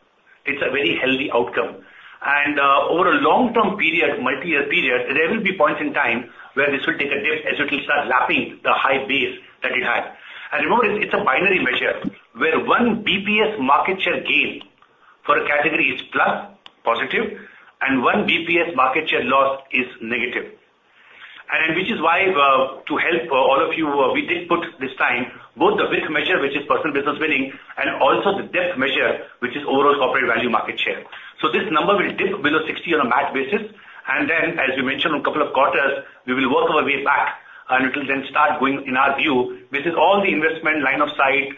it's a very healthy outcome. And, over a long-term period, multi-year period, there will be points in time where this will take a dip as it will start lapping the high base that it had. And remember, it's a binary measure, where 1 basis point market share gain for a category is plus, positive, and 1 basis point market share loss is negative. Which is why, to help all of you, we did put this time both the BWT measure, which is percent business winning, and also the depth measure, which is overall corporate value market share. This number will dip below 60% on a MAT basis, and then, as we mentioned on a couple of quarters, we will work our way back, and it will then start going in our view. This is all the investment line of sight,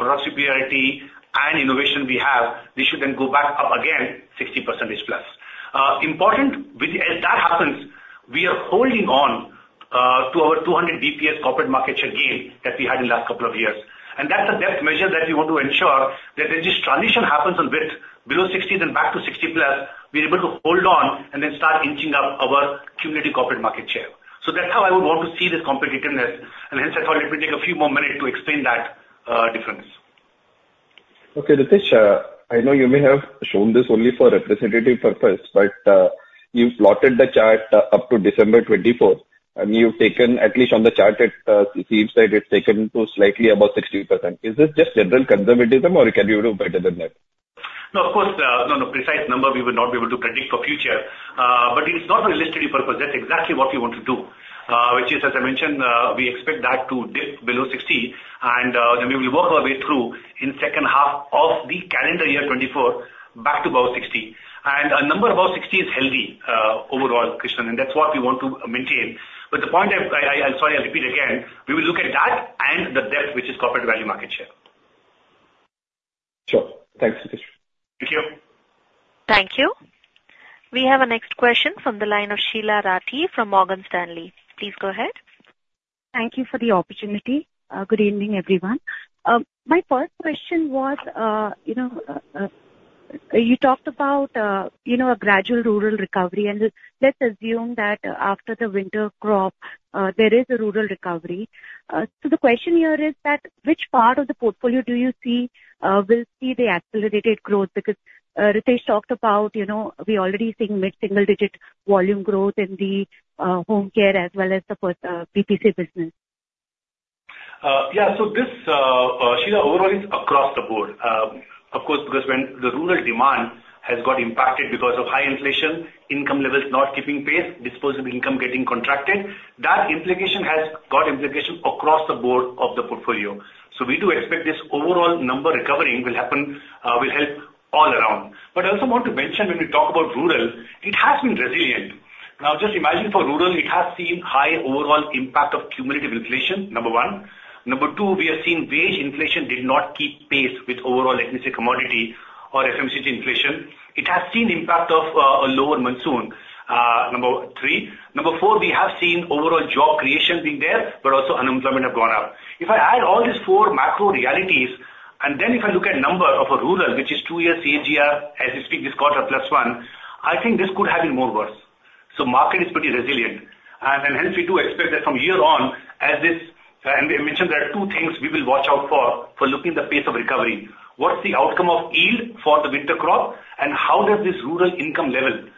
reciprocity and innovation we have. This should then go back up again, 60%+. Important, with as that happens, we are holding on, to our 200 basis points corporate market share gain that we had in the last couple of years. And that's a depth measure that we want to ensure that as this transition happens on BWT below 60%, then back to 60%+, we're able to hold on and then start inching up our cumulative corporate market share.... So that's how I would want to see this competitiveness, and hence I thought it would take a few more minutes to explain that, difference. Okay, Ritesh, I know you may have shown this only for representative purpose, but, you've plotted the chart up to December 24th, and you've taken, at least on the chart, it, it seems like it's taken to slightly above 60%. Is this just general conservatism, or can you do better than that? No, of course, no precise number we will not be able to predict for future. But it's not for illustrative purpose, that's exactly what we want to do, which is, as I mentioned, we expect that to dip below 60%, and then we will work our way through in second half of the calendar year 2024 back to above 60%. And a number above 60% is healthy, overall, Krishnan, and that's what we want to maintain. But the point I, sorry, I'll repeat again, we will look at that and the depth, which is corporate value market share. Sure. Thanks, Ritesh. Thank you. Thank you. We have our next question from the line of Sheela Rathi from Morgan Stanley. Please go ahead. Thank you for the opportunity. Good evening, everyone. My first question was, you know, you talked about, you know, a gradual rural recovery, and let's assume that after the winter crop, there is a rural recovery. So the question here is that which part of the portfolio do you see will see the accelerated growth? Because, Ritesh talked about, you know, we're already seeing mid-single digit volume growth in the Home Care as well as the BPC business. Yeah, so this, Sheela, overall is across the board. Of course, because when the rural demand has got impacted because of high inflation, income levels not keeping pace, disposable income getting contracted, that implication has got implication across the board of the portfolio. So we do expect this overall number recovering will happen, will help all around. But I also want to mention when we talk about rural, it has been resilient. Now, just imagine for rural, it has seen high overall impact of cumulative inflation, number one. Number two, we have seen wage inflation did not keep pace with overall, let me say, commodity or FMCG inflation. It has seen the impact of a lower monsoon, number three. Number four, we have seen overall job creation being there, but also unemployment have gone up. If I add all these four macro realities, and then if I look at number of a rural, which is two year CAGR, as we speak, this quarter plus one, I think this could have been more worse. So market is pretty resilient. And, and hence we do expect that from here on, as this, and I mentioned, there are two things we will watch out for, for looking the pace of recovery. What's the outcome of yield for the winter crop? And how does this rural income level,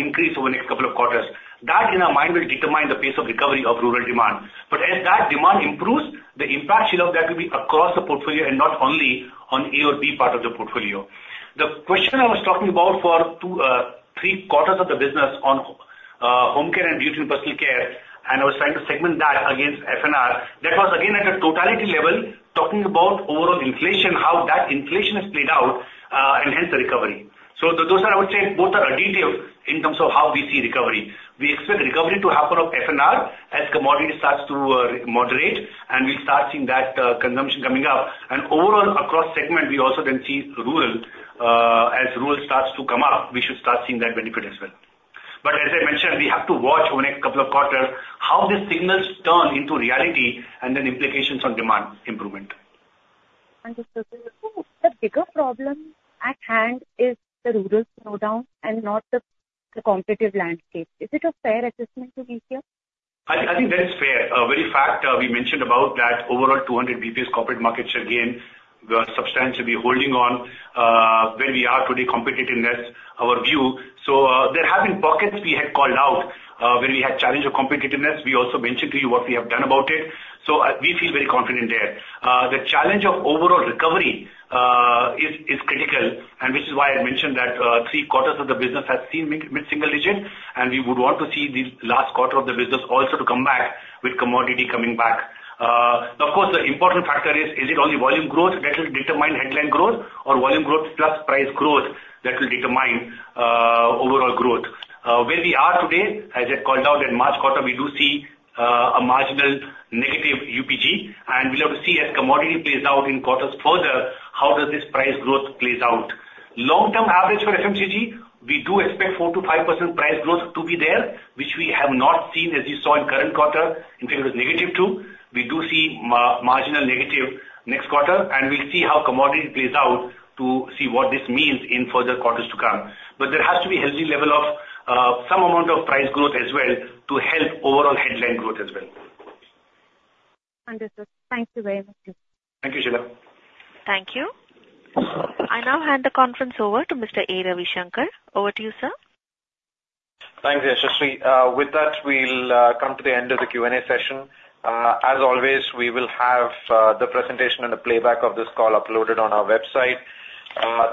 increase over the next couple of quarters? That, in our mind, will determine the pace of recovery of rural demand. But as that demand improves, the impact, Sheela, of that will be across the portfolio and not only on A or B part of the portfolio. The question I was talking about for two, three quarters of the business on, Home Care, Beauty and Personal Care, and I was trying to segment that against F&R. That was, again, at a totality level, talking about overall inflation, how that inflation is played out, and hence the recovery. So those are, I would say, both are additive in terms of how we see recovery. We expect recovery to happen on F&R as commodity starts to, moderate, and we start seeing that, consumption coming up. And overall, across segment, we also can see rural, as rural starts to come up, we should start seeing that benefit as well. But as I mentioned, we have to watch over the next couple of quarters how these signals turn into reality and then implications on demand improvement. Understood. So the bigger problem at hand is the rural slowdown and not the competitive landscape. Is it a fair assessment to be here? I think that is fair. Very fact we mentioned about that overall 200 basis points corporate market share gain. We are substantially holding on where we are today, competitiveness, our view. So there have been pockets we had called out where we had challenge of competitiveness. We also mentioned to you what we have done about it, so we feel very confident there. The challenge of overall recovery is critical, and which is why I mentioned that three quarters of the business has seen mid-single digit, and we would want to see the last quarter of the business also to come back with commodity coming back. Of course, the important factor is it only volume growth that will determine headline growth or volume growth plus price growth that will determine overall growth? Where we are today, as I called out in March quarter, we do see a marginal negative UPG, and we'll have to see as commodity plays out in quarters further, how does this price growth plays out. Long-term average for FMCG, we do expect 4%-5% price growth to be there, which we have not seen, as you saw in current quarter, in fact, it was -2%. We do see marginal negative next quarter, and we'll see how commodity plays out to see what this means in further quarters to come. But there has to be healthy level of some amount of price growth as well to help overall headline growth as well. Understood. Thank you very much. Thank you, Sheela. Thank you. I now hand the conference over to Mr. A. Ravishankar. Over to you, sir. Thanks, Yashashri. With that, we'll come to the end of the Q&A session. As always, we will have the presentation and the playback of this call uploaded on our website.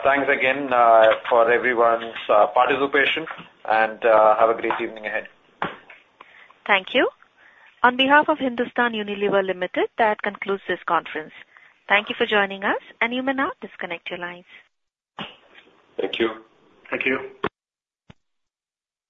Thanks again for everyone's participation, and have a great evening ahead. Thank you. On behalf of Hindustan Unilever Limited, that concludes this conference. Thank you for joining us, and you may now disconnect your lines. Thank you. Thank you.